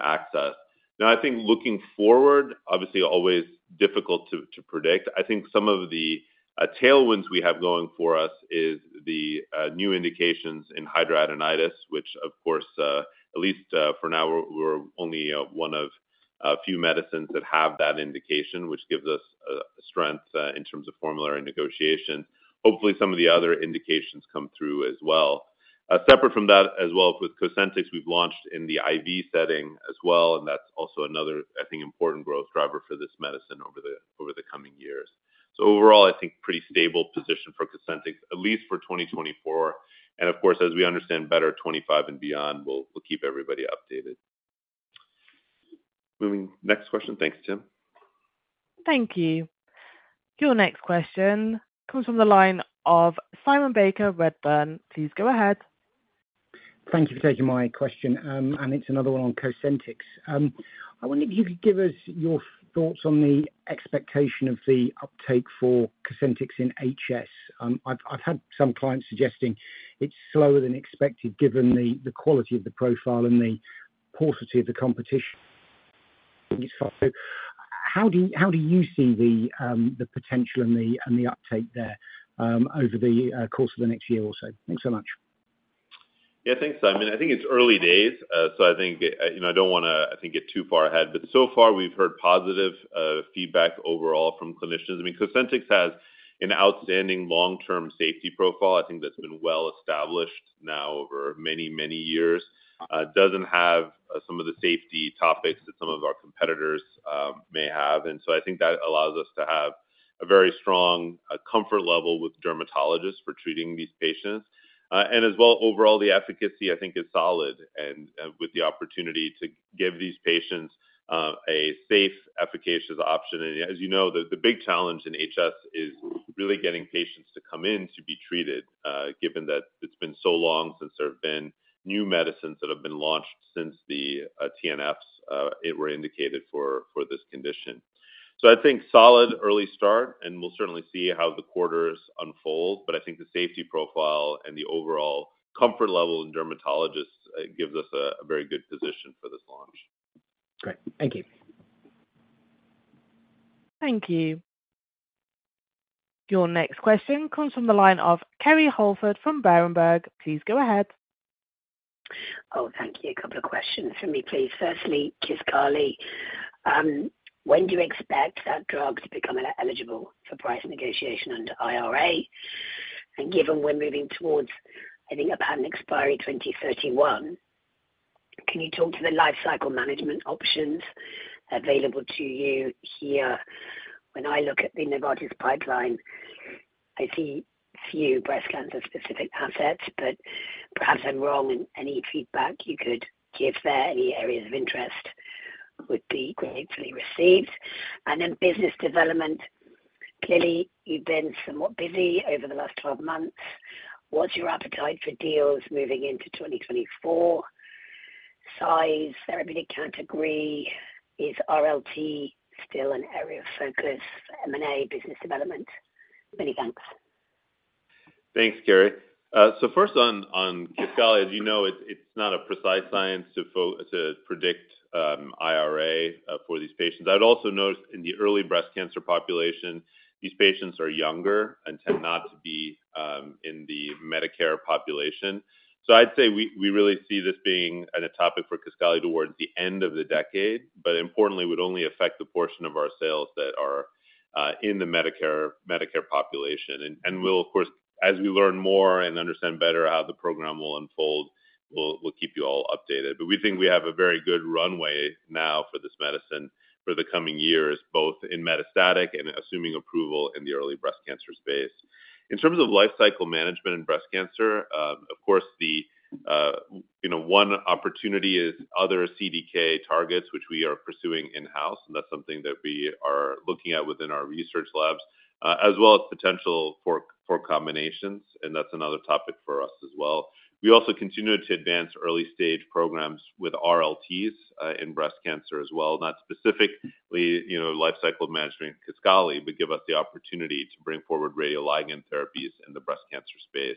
access. Now, I think looking forward, obviously, always difficult to, to predict. I think some of the tailwinds we have going for us is the new indications in hidradenitis, which of course, at least, for now, we're only one of a few medicines that have that indication, which gives us strength in terms of formulary negotiation. Hopefully, some of the other indications come through as well. Separate from that as well, with Cosentyx, we've launched in the IV setting as well, and that's also another, I think, important growth driver for this medicine over the coming years. So overall, I think pretty stable position for Cosentyx, at least for 2024. And of course, as we understand better, 2025 and beyond, we'll keep everybody updated. Moving next question. Thanks, Tim. Thank you. Your next question comes from the line of Simon Baker, Redburn. Please go ahead. Thank you for taking my question, and it's another one on Cosentyx. I wonder if you could give us your thoughts on the expectation of the uptake for Cosentyx in HS. I've had some clients suggesting it's slower than expected, given the quality of the profile and the paucity of the competition thus far. So how do you see the potential and the uptake there, over the course of the next year or so? Thanks so much. Yeah, thanks, Simon. I think it's early days, so I think, you know, I don't wanna, I think, get too far ahead, but so far we've heard positive feedback overall from clinicians. I mean, Cosentyx has an outstanding long-term safety profile. I think that's been well established now over many, many years. It doesn't have some of the safety topics that some of our competitors may have. And so I think that allows us to have a very strong comfort level with dermatologists for treating these patients. And as well, overall, the efficacy, I think, is solid, and with the opportunity to give these patients a safe, efficacious option. And as you know, the big challenge in HS is-... really getting patients to come in to be treated, given that it's been so long since there have been new medicines that have been launched since the TNFs it were indicated for this condition. So I think solid early start, and we'll certainly see how the quarters unfold, but I think the safety profile and the overall comfort level in dermatologists gives us a very good position for this launch. Great. Thank you. Thank you. Your next question comes from the line of Kerry Holford from Berenberg. Please go ahead. Oh, thank you. A couple of questions for me, please. Firstly, Kesimpta. When do you expect that drug to become eligible for price negotiation under IRA? And given we're moving towards, I think, a patent expiry in 2031, can you talk to the life cycle management options available to you here? When I look at the Novartis pipeline, I see few breast cancer-specific assets, but perhaps I'm wrong. And any feedback you could give there, any areas of interest, would be gratefully received. And then business development. Clearly, you've been somewhat busy over the last 12 months. What's your appetite for deals moving into 2024? Size, therapeutic category. Is RLT still an area of focus, M&A business development? Many thanks. Thanks, Kerry. So first on Kesimpta, as you know, it's not a precise science to predict IRA for these patients. I'd also note in the early breast cancer population, these patients are younger and tend not to be in the Medicare population. So I'd say we really see this being a topic for Kesimpta towards the end of the decade, but importantly, would only affect the portion of our sales that are in the Medicare population. And we'll of course, as we learn more and understand better how the program will unfold, we'll keep you all updated. But we think we have a very good runway now for this medicine for the coming years, both in metastatic and assuming approval in the early breast cancer space. In terms of lifecycle management and breast cancer, of course, the, you know, one opportunity is other CDK targets, which we are pursuing in-house, and that's something that we are looking at within our research labs, as well as potential for, for combinations, and that's another topic for us as well. We also continue to advance early stage programs with RLTs, in breast cancer as well. Not specifically, you know, life cycle management Kesimpta, but give us the opportunity to bring forward radioligand therapies in the breast cancer space.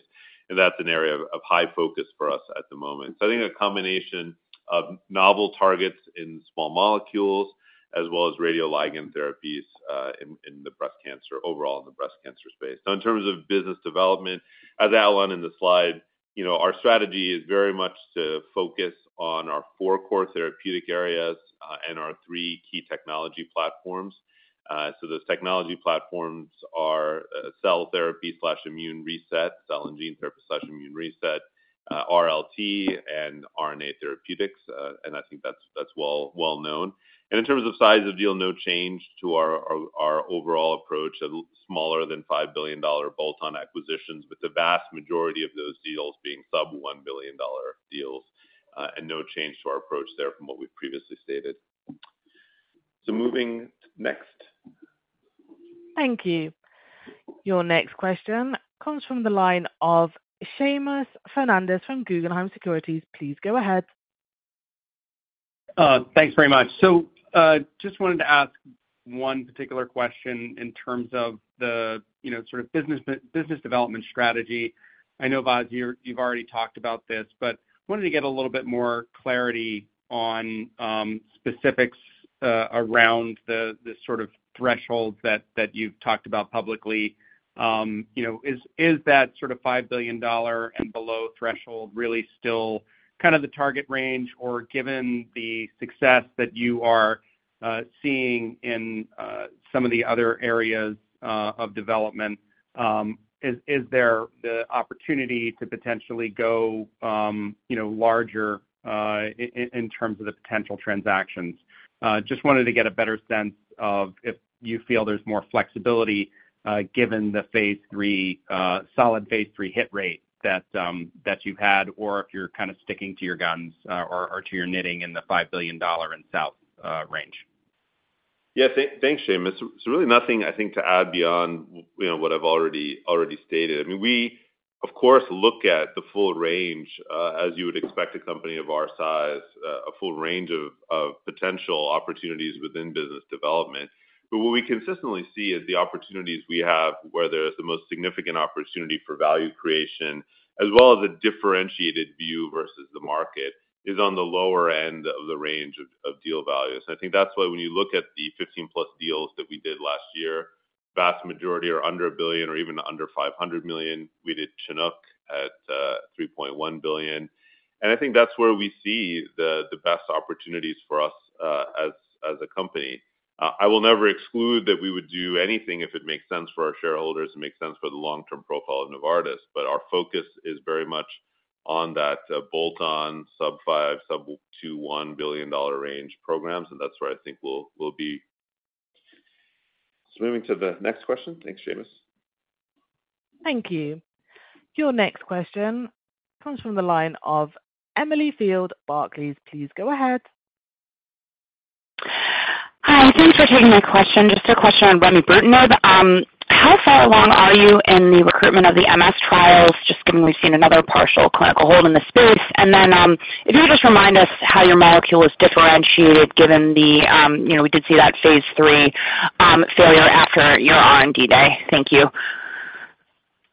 And that's an area of, of high focus for us at the moment. So I think a combination of novel targets in small molecules as well as radioligand therapies, in, in the breast cancer... overall in the breast cancer space. Now, in terms of business development, as outlined in the slide, you know, our strategy is very much to focus on our four core therapeutic areas, and our three key technology platforms. So those technology platforms are, cell therapy/immune reset, cell and gene therapy/immune reset, RLT, and RNA therapeutics. I think that's well known. In terms of size of deal, no change to our overall approach of smaller than $5 billion bolt-on acquisitions, with the vast majority of those deals being sub-$1 billion deals, and no change to our approach there from what we've previously stated. Moving next. Thank you. Your next question comes from the line of Seamus Fernandez from Guggenheim Securities. Please go ahead. Thanks very much. So, just wanted to ask one particular question in terms of the, you know, sort of business development strategy. I know, Vas, you've already talked about this, but wanted to get a little bit more clarity on, specifics, around the, the sort of thresholds that, that you've talked about publicly. You know, is, is that sort of $5 billion and below threshold really still kind of the target range? Or given the success that you are seeing in, some of the other areas, of development, is, is there the opportunity to potentially go, you know, larger, in, in terms of the potential transactions? Just wanted to get a better sense of if you feel there's more flexibility, given the phase three solid phase three hit rate that you've had, or if you're kind of sticking to your guns, or to your knitting in the $5 billion and south range. Yeah, thanks, Seamus. So really nothing, I think, to add beyond, you know, what I've already stated. I mean, we, of course, look at the full range, as you would expect a company of our size, a full range of potential opportunities within business development. But what we consistently see is the opportunities we have, where there is the most significant opportunity for value creation, as well as a differentiated view versus the market, is on the lower end of the range of deal values. I think that's why when you look at the 15+ deals that we did last year, vast majority are under $1 billion or even under $500 million. We did Chinook at $3.1 billion, and I think that's where we see the best opportunities for us, as a company. I will never exclude that we would do anything if it makes sense for our shareholders and makes sense for the long-term profile of Novartis, but our focus is very much on that bolt-on sub-$5 billion, sub-$2 billion, $1 billion range programs, and that's where I think we'll be. Moving to the next question. Thanks, Seamus. Thank you. Your next question comes from the line of Emily Field, Barclays. Please go ahead. Hi, thanks for taking my question. Just a question on remibrutinib. How far along are you in the recruitment of the MS trials? Just given we've seen another partial clinical hold in the space. And then, if you could just remind us how your molecule is differentiated, given the, you know, we did see that phase 3 failure after your R&D day. Thank you.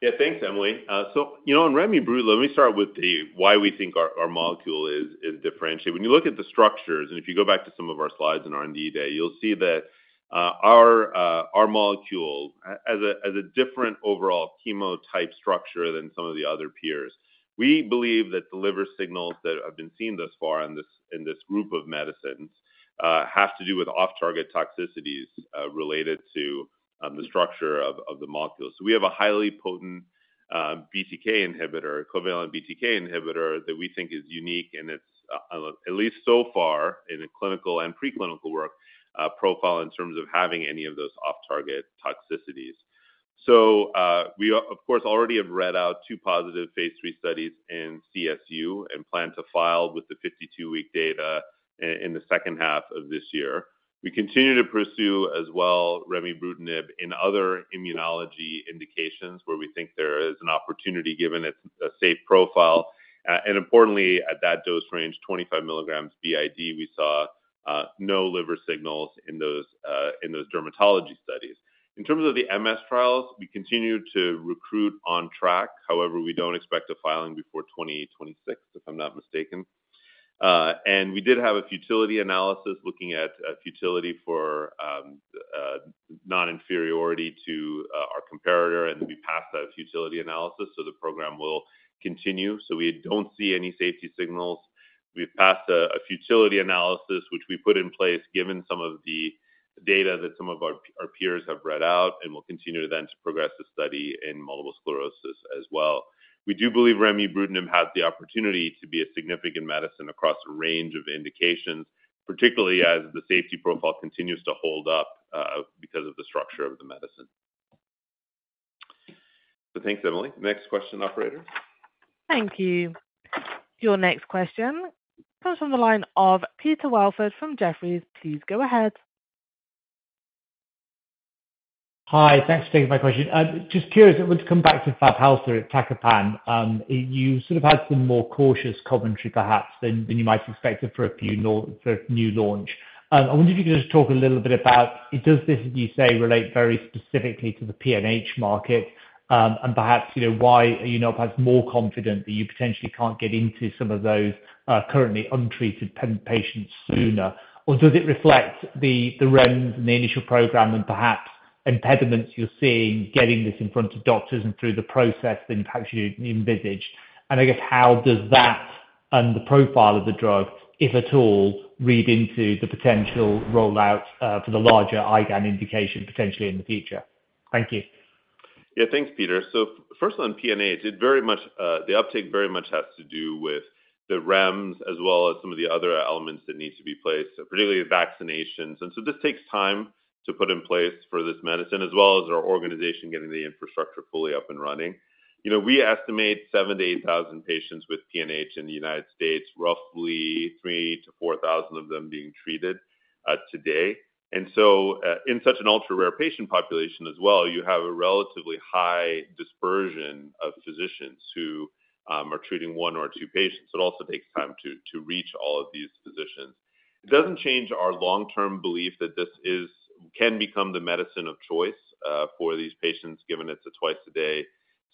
Yeah, thanks, Emily. So, you know, on remibrutinib, let me start with the why we think our molecule is differentiated. When you look at the structures, and if you go back to some of our slides in R&D day, you'll see that our molecule has a different overall chemotype structure than some of the other peers. We believe that the liver signals that have been seen thus far in this group of medicines have to do with off-target toxicities related to the structure of the molecule. So we have a highly potent BTK inhibitor, covalent BTK inhibitor, that we think is unique, and it's at least so far in clinical and preclinical work profile in terms of having any of those off-target toxicities. So, we, of course, already have read out 2 positive phase 3 studies in CSU and plan to file with the 52-week data in the second half of this year. We continue to pursue as well, remibrutinib in other immunology indications, where we think there is an opportunity, given it's a safe profile. And importantly, at that dose range, 25 milligrams BID, we saw no liver signals in those in those dermatology studies. In terms of the MS trials, we continue to recruit on track. However, we don't expect a filing before 2026, if I'm not mistaken. And we did have a futility analysis looking at futility for non-inferiority to our comparator, and we passed that futility analysis, so the program will continue. So we don't see any safety signals. We've passed a futility analysis, which we put in place given some of the data that some of our peers have read out, and we'll continue then to progress the study in multiple sclerosis as well. We do believe remibrutinib has the opportunity to be a significant medicine across a range of indications, particularly as the safety profile continues to hold up, because of the structure of the medicine. So thanks, Emily. Next question, operator. Thank you. Your next question comes from the line of Peter Welford from Jefferies. Please go ahead. Hi, thanks for taking my question. Just curious, I want to come back to Fabhalta, iptacopan. You sort of had some more cautious commentary, perhaps, than you might have expected for a new launch. I wonder if you could just talk a little bit about, does this, as you say, relate very specifically to the PNH market? And perhaps, you know, why, you know, perhaps more confident that you potentially can't get into some of those currently untreated patients sooner? Or does it reflect the REMS and the initial program and perhaps impediments you're seeing, getting this in front of doctors and through the process than perhaps you'd envisaged? I guess, how does that and the profile of the drug, if at all, read into the potential rollout, for the larger IgAN indication, potentially in the future? Thank you. Yeah, thanks, Peter. So first on PNH, it very much, the uptake very much has to do with the REMS, as well as some of the other elements that need to be in place, particularly vaccinations. And so this takes time to put in place for this medicine, as well as our organization getting the infrastructure fully up and running. You know, we estimate 7,000-8,000 patients with PNH in the United States, roughly 3,000-4,000 of them being treated today. And so, in such an ultra-rare patient population as well, you have a relatively high dispersion of physicians who are treating one or two patients. It also takes time to reach all of these physicians. It doesn't change our long-term belief that this is... can become the medicine of choice for these patients, given it's a twice-a-day,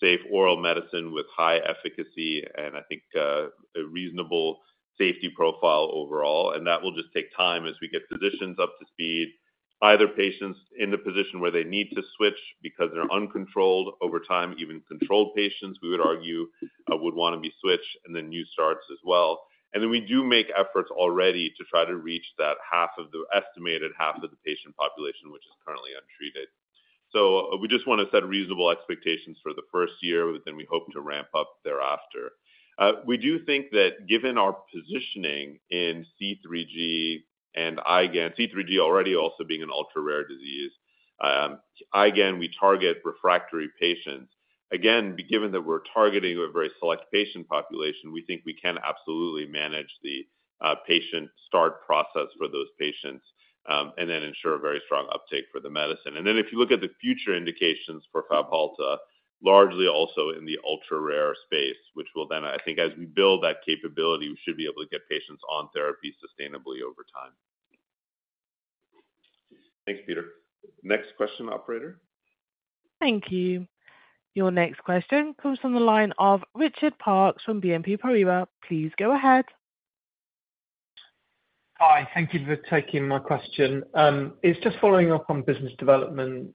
safe oral medicine with high efficacy and I think a reasonable safety profile overall. That will just take time as we get physicians up to speed, either patients in the position where they need to switch because they're uncontrolled over time, even controlled patients, we would argue, would want to be switched, and then new starts as well. We do make efforts already to try to reach that half of the estimated half of the patient population, which is currently untreated. We just want to set reasonable expectations for the first year, but then we hope to ramp up thereafter. We do think that given our positioning in C3G and IgAN, C3G already also being an ultra-rare disease, IgAN, we target refractory patients. Again, given that we're targeting a very select patient population, we think we can absolutely manage the patient start process for those patients, and then ensure a very strong uptake for the medicine. And then if you look at the future indications for Fabhalta, largely also in the ultra-rare space, which will then, I think as we build that capability, we should be able to get patients on therapy sustainably over time. Thanks, Peter. Next question, operator. Thank you. Your next question comes from the line of Richard Parkes from BNP Paribas. Please go ahead. Hi, thank you for taking my question. It's just following up on business development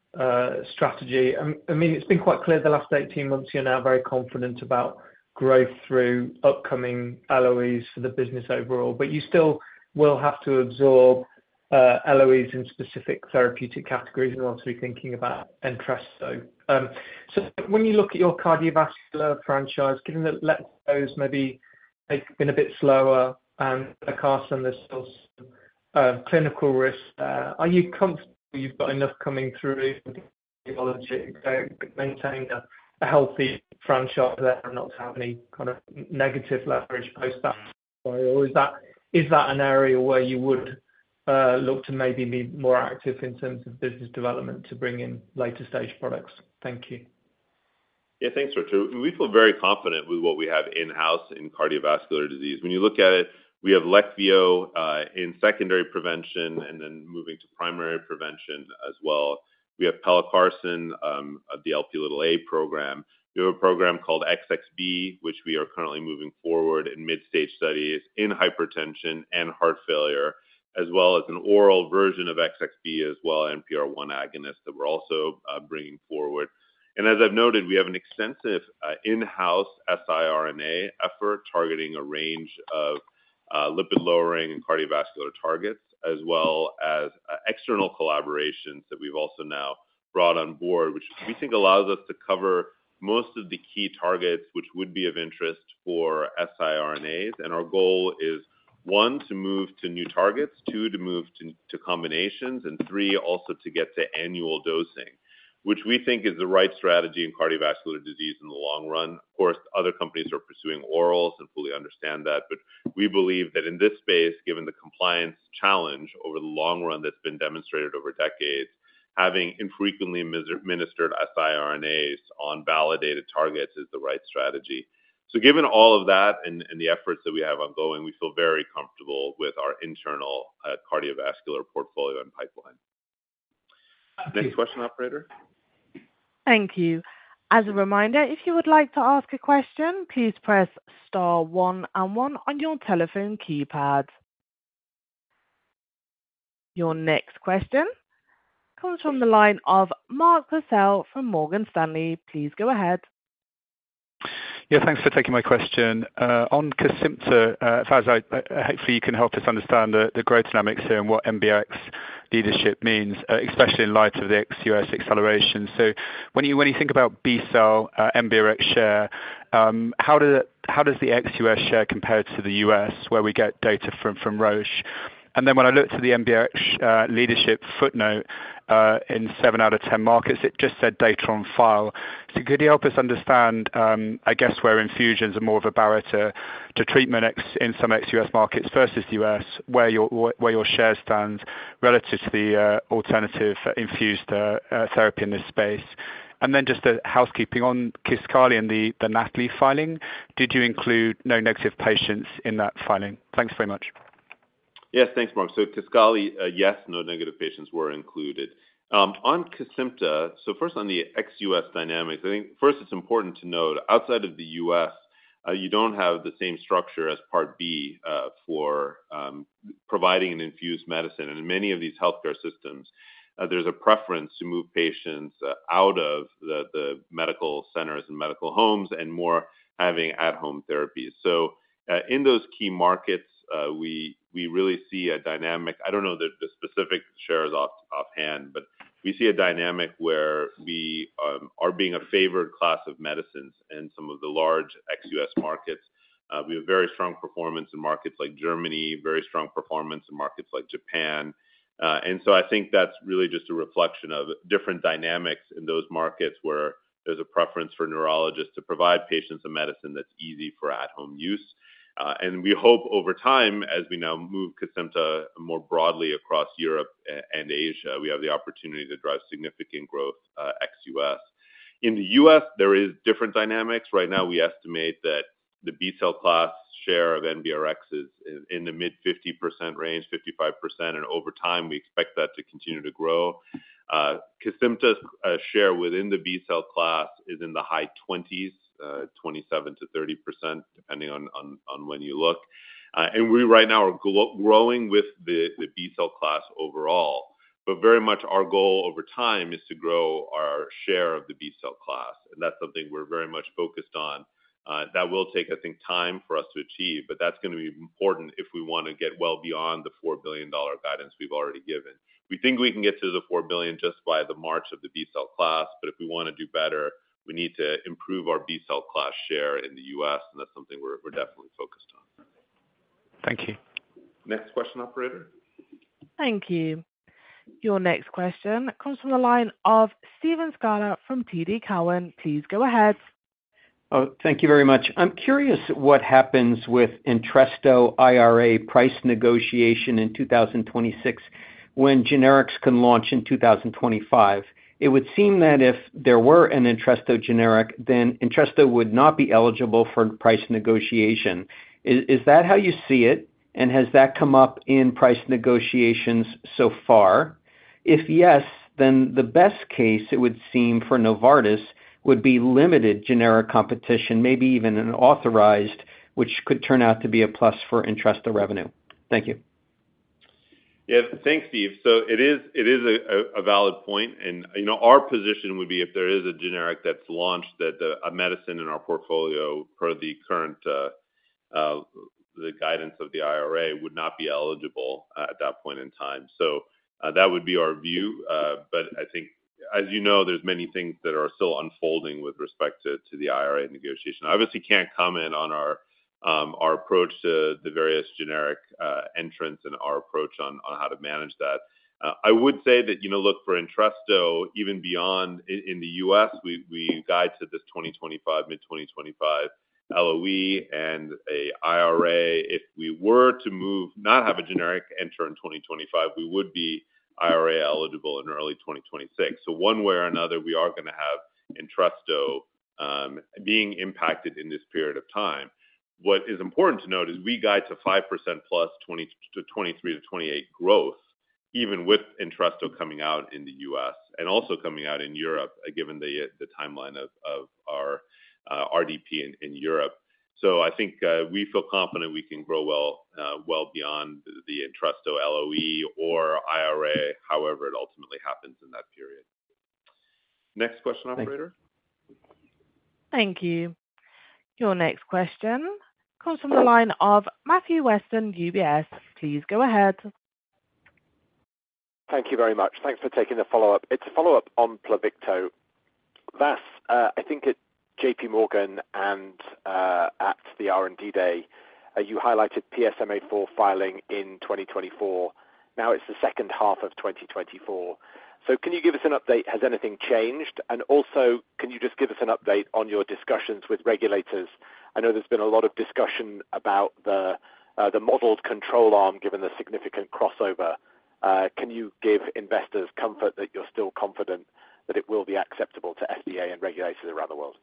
strategy. I mean, it's been quite clear the last 18 months, you're now very confident about growth through upcoming LOEs for the business overall, but you still will have to absorb LOEs in specific therapeutic categories and also be thinking about Entresto. When you look at your cardiovascular franchise, given that Leqvio's maybe been a bit slower and Pelacarsen, there's still some clinical risk, are you comfortable you've got enough coming through?... maintain a healthy franchise there and not have any kind of negative leverage post that. Is that an area where you would look to maybe be more active in terms of business development to bring in later-stage products? Thank you. Yeah, thanks, Richard. We feel very confident with what we have in-house in cardiovascular disease. When you look at it, we have Leqvio, in secondary prevention and then moving to primary prevention as well. We have Pelacarsen, the Lp(a) program. We have a program called XXB, which we are currently moving forward in mid-stage studies in hypertension and heart failure, as well as an oral version of XXB as well, NPR1 agonist, that we're also, bringing forward. And as I've noted, we have an extensive, in-house siRNA effort targeting a range of, lipid-lowering and cardiovascular targets, as well as, external collaborations that we've also now brought on board, which we think allows us to cover most of the key targets, which would be of interest for siRNAs. Our goal is, one, to move to new targets, two, to move to combinations, and three, also to get to annual dosing, which we think is the right strategy in cardiovascular disease in the long run. Of course, other companies are pursuing orals and fully understand that, but we believe that in this space, given the compliance challenge over the long run that's been demonstrated over decades, having infrequently administered siRNAs on validated targets is the right strategy. So given all of that and the efforts that we have ongoing, we feel very comfortable with our internal cardiovascular portfolio and pipeline. Next question, operator. Thank you. As a reminder, if you would like to ask a question, please press star one and one on your telephone keypad. Your next question comes from the line of Mark Purcell from Morgan Stanley. Please go ahead. Yeah, thanks for taking my question. On Kesimpta, as far as hopefully, you can help us understand the growth dynamics here and what NBRX leadership means, especially in light of the ex-U.S. acceleration. So when you think about B-cell NBRX share, how does the ex-U.S. share compare to the U.S., where we get data from Roche? And then when I look to the NBRX leadership footnote in seven out of 10 markets, it just said data on file. So could you help us understand, I guess, where infusions are more of a barrier to treatment ex-U.S. in some ex-U.S. markets versus U.S., where your share stands relative to the alternative infused therapy in this space? And then just a housekeeping on Kesimpta and the NATALEE filing. Did you include node-negative patients in that filing? Thanks very much. Yes, thanks, Mark. So Kesimpta, yes, node-negative patients were included. On Kesimpta, so first on the ex-US dynamics, I think first it's important to note, outside of the US, you don't have the same structure as Part B for providing an infused medicine. And in many of these healthcare systems, there's a preference to move patients out of the medical centers and medical homes and more having at-home therapies. So, in those key markets, we really see a dynamic. I don't know the specific shares offhand, but we see a dynamic where we are being a favored class of medicines in some of the large ex-US markets. We have very strong performance in markets like Germany, very strong performance in markets like Japan. I think that's really just a reflection of different dynamics in those markets, where there's a preference for neurologists to provide patients a medicine that's easy for at-home use. And we hope over time, as we now move Kesimpta more broadly across Europe and Asia, we have the opportunity to drive significant growth, ex U.S. In the U.S., there is different dynamics. Right now, we estimate that the B-cell class share of NBRX is in the mid-50% range, 55%, and over time, we expect that to continue to grow. Kesimpta's share within the B-cell class is in the high 20s, 27%-30%, depending on when you look. And we right now are growing with the B-cell class overall. But very much our goal over time is to grow our share of the B-cell class, and that's something we're very much focused on. That will take, I think, time for us to achieve, but that's going to be important if we want to get well beyond the $4 billion guidance we've already given. We think we can get to the $4 billion just by the march of the B-cell class, but if we want to do better, we need to improve our B-cell class share in the U.S., and that's something we're definitely focused on. Thank you. Next question, Operator. Thank you. Your next question comes from the line of Steven Scala from TD Cowen. Please go ahead. Oh, thank you very much. I'm curious what happens with Entresto IRA price negotiation in 2026, when generics can launch in 2025. It would seem that if there were an Entresto generic, then Entresto would not be eligible for price negotiation. Is, is that how you see it, and has that come up in price negotiations so far? If yes, then the best case it would seem for Novartis would be limited generic competition, maybe even an authorized, which could turn out to be a plus for Entresto revenue. Thank you. Yeah. Thanks, Steve. So it is a valid point, and, you know, our position would be if there is a generic that's launched, that a medicine in our portfolio, per the current guidance of the IRA, would not be eligible at that point in time. So, that would be our view. But I think, as you know, there's many things that are still unfolding with respect to the IRA negotiation. I obviously can't comment on our approach to the various generic entrants and our approach on how to manage that. I would say that, you know, look, for Entresto, even beyond in the U.S., we guide to this 2025, mid-2025 LOE and a IRA. If we were to move, not have a generic enter in 2025, we would be IRA eligible in early 2026. So one way or another, we are going to have Entresto being impacted in this period of time. What is important to note is we guide to 5%+ 2023-2028 growth, even with Entresto coming out in the U.S. and also coming out in Europe, given the timeline of our RDP in Europe. So I think we feel confident we can grow well beyond the Entresto LOE or IRA, however it ultimately happens in that period. Next question, operator. Thank you. Your next question comes from the line of Matthew Weston, UBS. Please go ahead. Thank you very much. Thanks for taking the follow-up. It's a follow-up on Pluvicto. Thus, I think at JP Morgan and at the R&D Day, you highlighted PSMAfore filing in 2024. Now it's the second half of 2024. So can you give us an update? Has anything changed? And also, can you just give us an update on your discussions with regulators? I know there's been a lot of discussion about the, the modeled control arm, given the significant crossover. Can you give investors comfort that you're still confident that it will be acceptable to FDA and regulators around the world?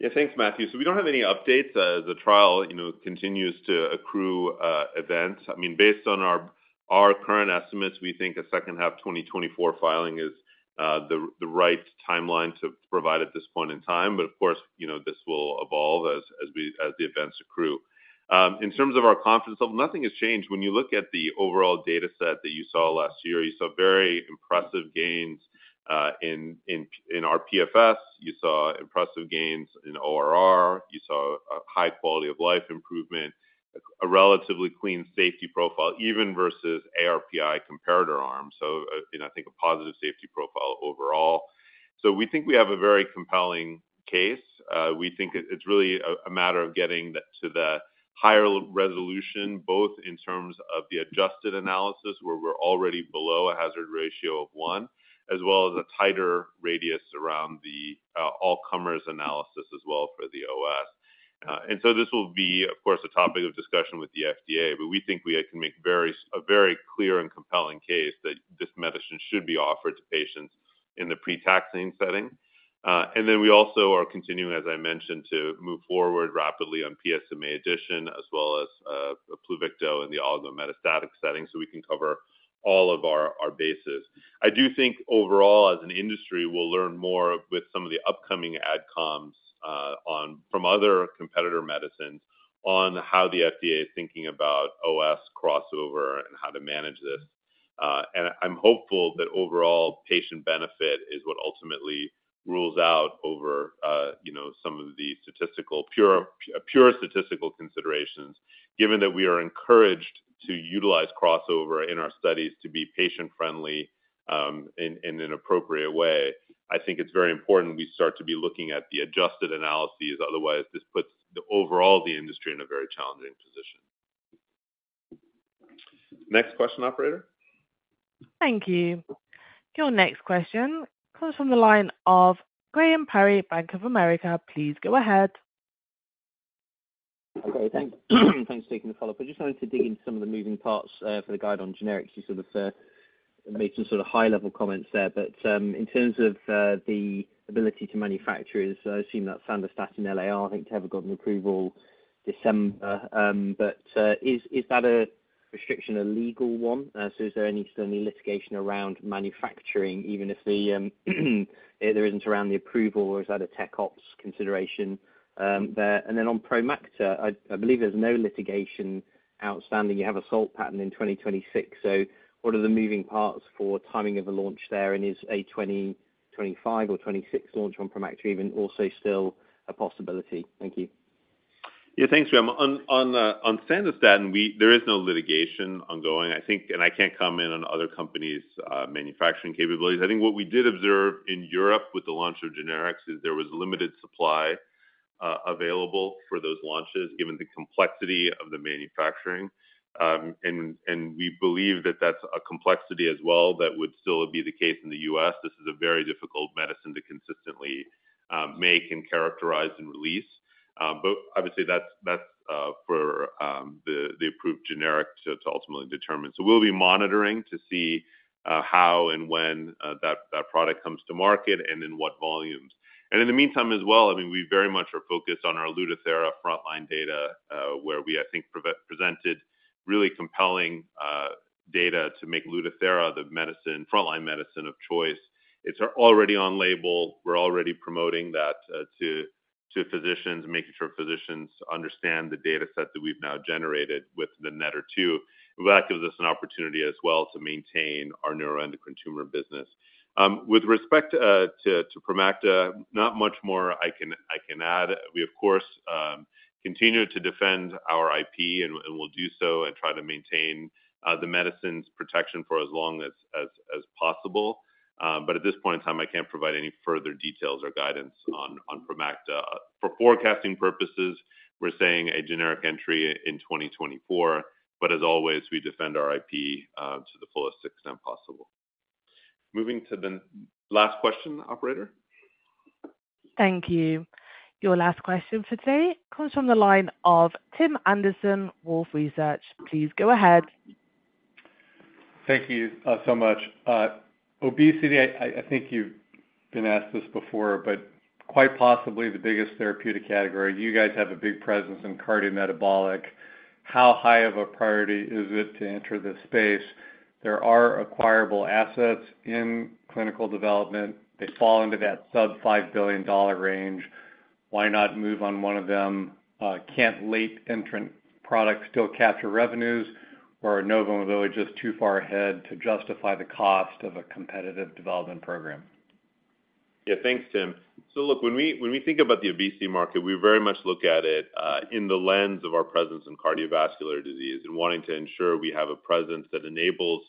Yeah, thanks, Matthew. So we don't have any updates. The trial, you know, continues to accrue events. I mean, based on our current estimates, we think a second half 2024 filing is the right timeline to provide at this point in time. But of course, you know, this will evolve as the events accrue. In terms of our confidence level, nothing has changed. When you look at the overall data set that you saw last year, you saw very impressive gains in our PFS. You saw impressive gains in ORR. You saw a high quality of life improvement, a relatively clean safety profile, even versus ARPI comparator arms. So, you know, I think a positive safety profile overall. So we think we have a very compelling case. We think it's really a matter of getting to the higher resolution, both in terms of the adjusted analysis, where we're already below a hazard ratio of one, as well as a tighter radius around the all-comers analysis as well for the OS. And so this will be, of course, a topic of discussion with the FDA, but we think we can make a very clear and compelling case that this medicine should be offered to patients in the pre-taxane setting. And then we also are continuing, as I mentioned, to move forward rapidly on PSMAddition, as well as Pluvicto in the oligo-metastatic setting, so we can cover all of our bases. I do think overall, as an industry, we'll learn more with some of the upcoming ad comms on... from other competitor medicines, on how the FDA is thinking about OS crossover and how to manage this. And I'm hopeful that overall patient benefit is what ultimately rules out over, you know, some of the statistical, pure statistical considerations, given that we are encouraged to utilize crossover in our studies to be patient-friendly, in an appropriate way. I think it's very important we start to be looking at the adjusted analyses, otherwise this puts the overall industry in a very challenging position. Next question, operator. Thank you. Your next question comes from the line of Graham Parry, Bank of America. Please go ahead. Okay, thanks. Thanks for taking the follow-up. I just wanted to dig into some of the moving parts for the guide on generics. You sort of made some sort of high-level comments there, but in terms of the ability to manufacture, I assume that Sandostatin LAR, I think, to have gotten approval December. But is that a restriction, a legal one? So is there any certain litigation around manufacturing, even if there isn't around the approval, or is that a tech ops consideration there? And then on Promacta, I believe there's no litigation outstanding. You have a last patent in 2026. So what are the moving parts for timing of a launch there, and is a 2025 or 2026 launch on Promacta even also still a possibility? Thank you. Yeah, thanks, Graham. On Sandostatin, there is no litigation ongoing. I think, and I can't comment on other companies' manufacturing capabilities. I think what we did observe in Europe with the launch of generics is there was limited supply available for those launches, given the complexity of the manufacturing. And we believe that that's a complexity as well, that would still be the case in the US. This is a very difficult medicine to consistently make and characterize and release. But obviously, that's for the approved generic to ultimately determine. So we'll be monitoring to see how and when that product comes to market and in what volumes. In the meantime as well, I mean, we very much are focused on our Lutathera frontline data, where we, I think, presented really compelling data to make Lutathera the medicine, frontline medicine of choice. It's already on label. We're already promoting that to physicians, making sure physicians understand the data set that we've now generated with the NETTER-2. Well, that gives us an opportunity as well to maintain our neuroendocrine tumor business. With respect to Promacta, not much more I can add. We, of course, continue to defend our IP, and we'll do so and try to maintain the medicine's protection for as long as possible. But at this point in time, I can't provide any further details or guidance on Promacta. For forecasting purposes, we're saying a generic entry in 2024, but as always, we defend our IP to the fullest extent possible. Moving to the last question, operator. Thank you. Your last question for today comes from the line of Tim Anderson, Wolfe Research. Please go ahead. Thank you so much. Obesity, I think you've been asked this before, but quite possibly the biggest therapeutic category. You guys have a big presence in cardiometabolic. How high of a priority is it to enter this space? There are acquirable assets in clinical development. They fall into that sub-$5 billion range. Why not move on one of them? Can't late entrant products still capture revenues, or are Novo and Eli just too far ahead to justify the cost of a competitive development program? Yeah, thanks, Tim. So look, when we think about the obesity market, we very much look at it in the lens of our presence in cardiovascular disease and wanting to ensure we have a presence that enables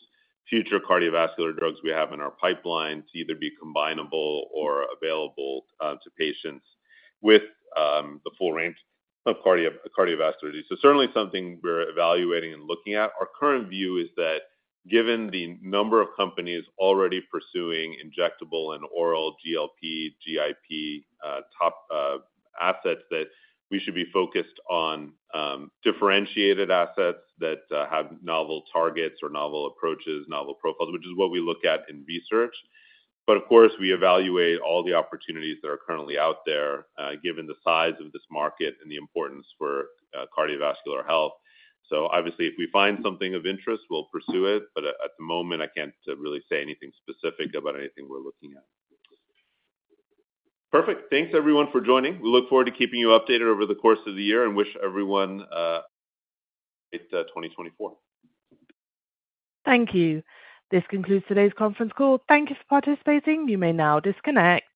future cardiovascular drugs we have in our pipeline to either be combinable or available to patients with the full range of cardiovascular disease. So certainly something we're evaluating and looking at. Our current view is that given the number of companies already pursuing injectable and oral GLP, GIP top assets, that we should be focused on differentiated assets that have novel targets or novel approaches, novel profiles, which is what we look at in research. But of course, we evaluate all the opportunities that are currently out there given the size of this market and the importance for cardiovascular health. So obviously, if we find something of interest, we'll pursue it, but at the moment, I can't really say anything specific about anything we're looking at. Perfect. Thanks everyone for joining. We look forward to keeping you updated over the course of the year and wish everyone a great 2024. Thank you. This concludes today's conference call. Thank you for participating. You may now disconnect.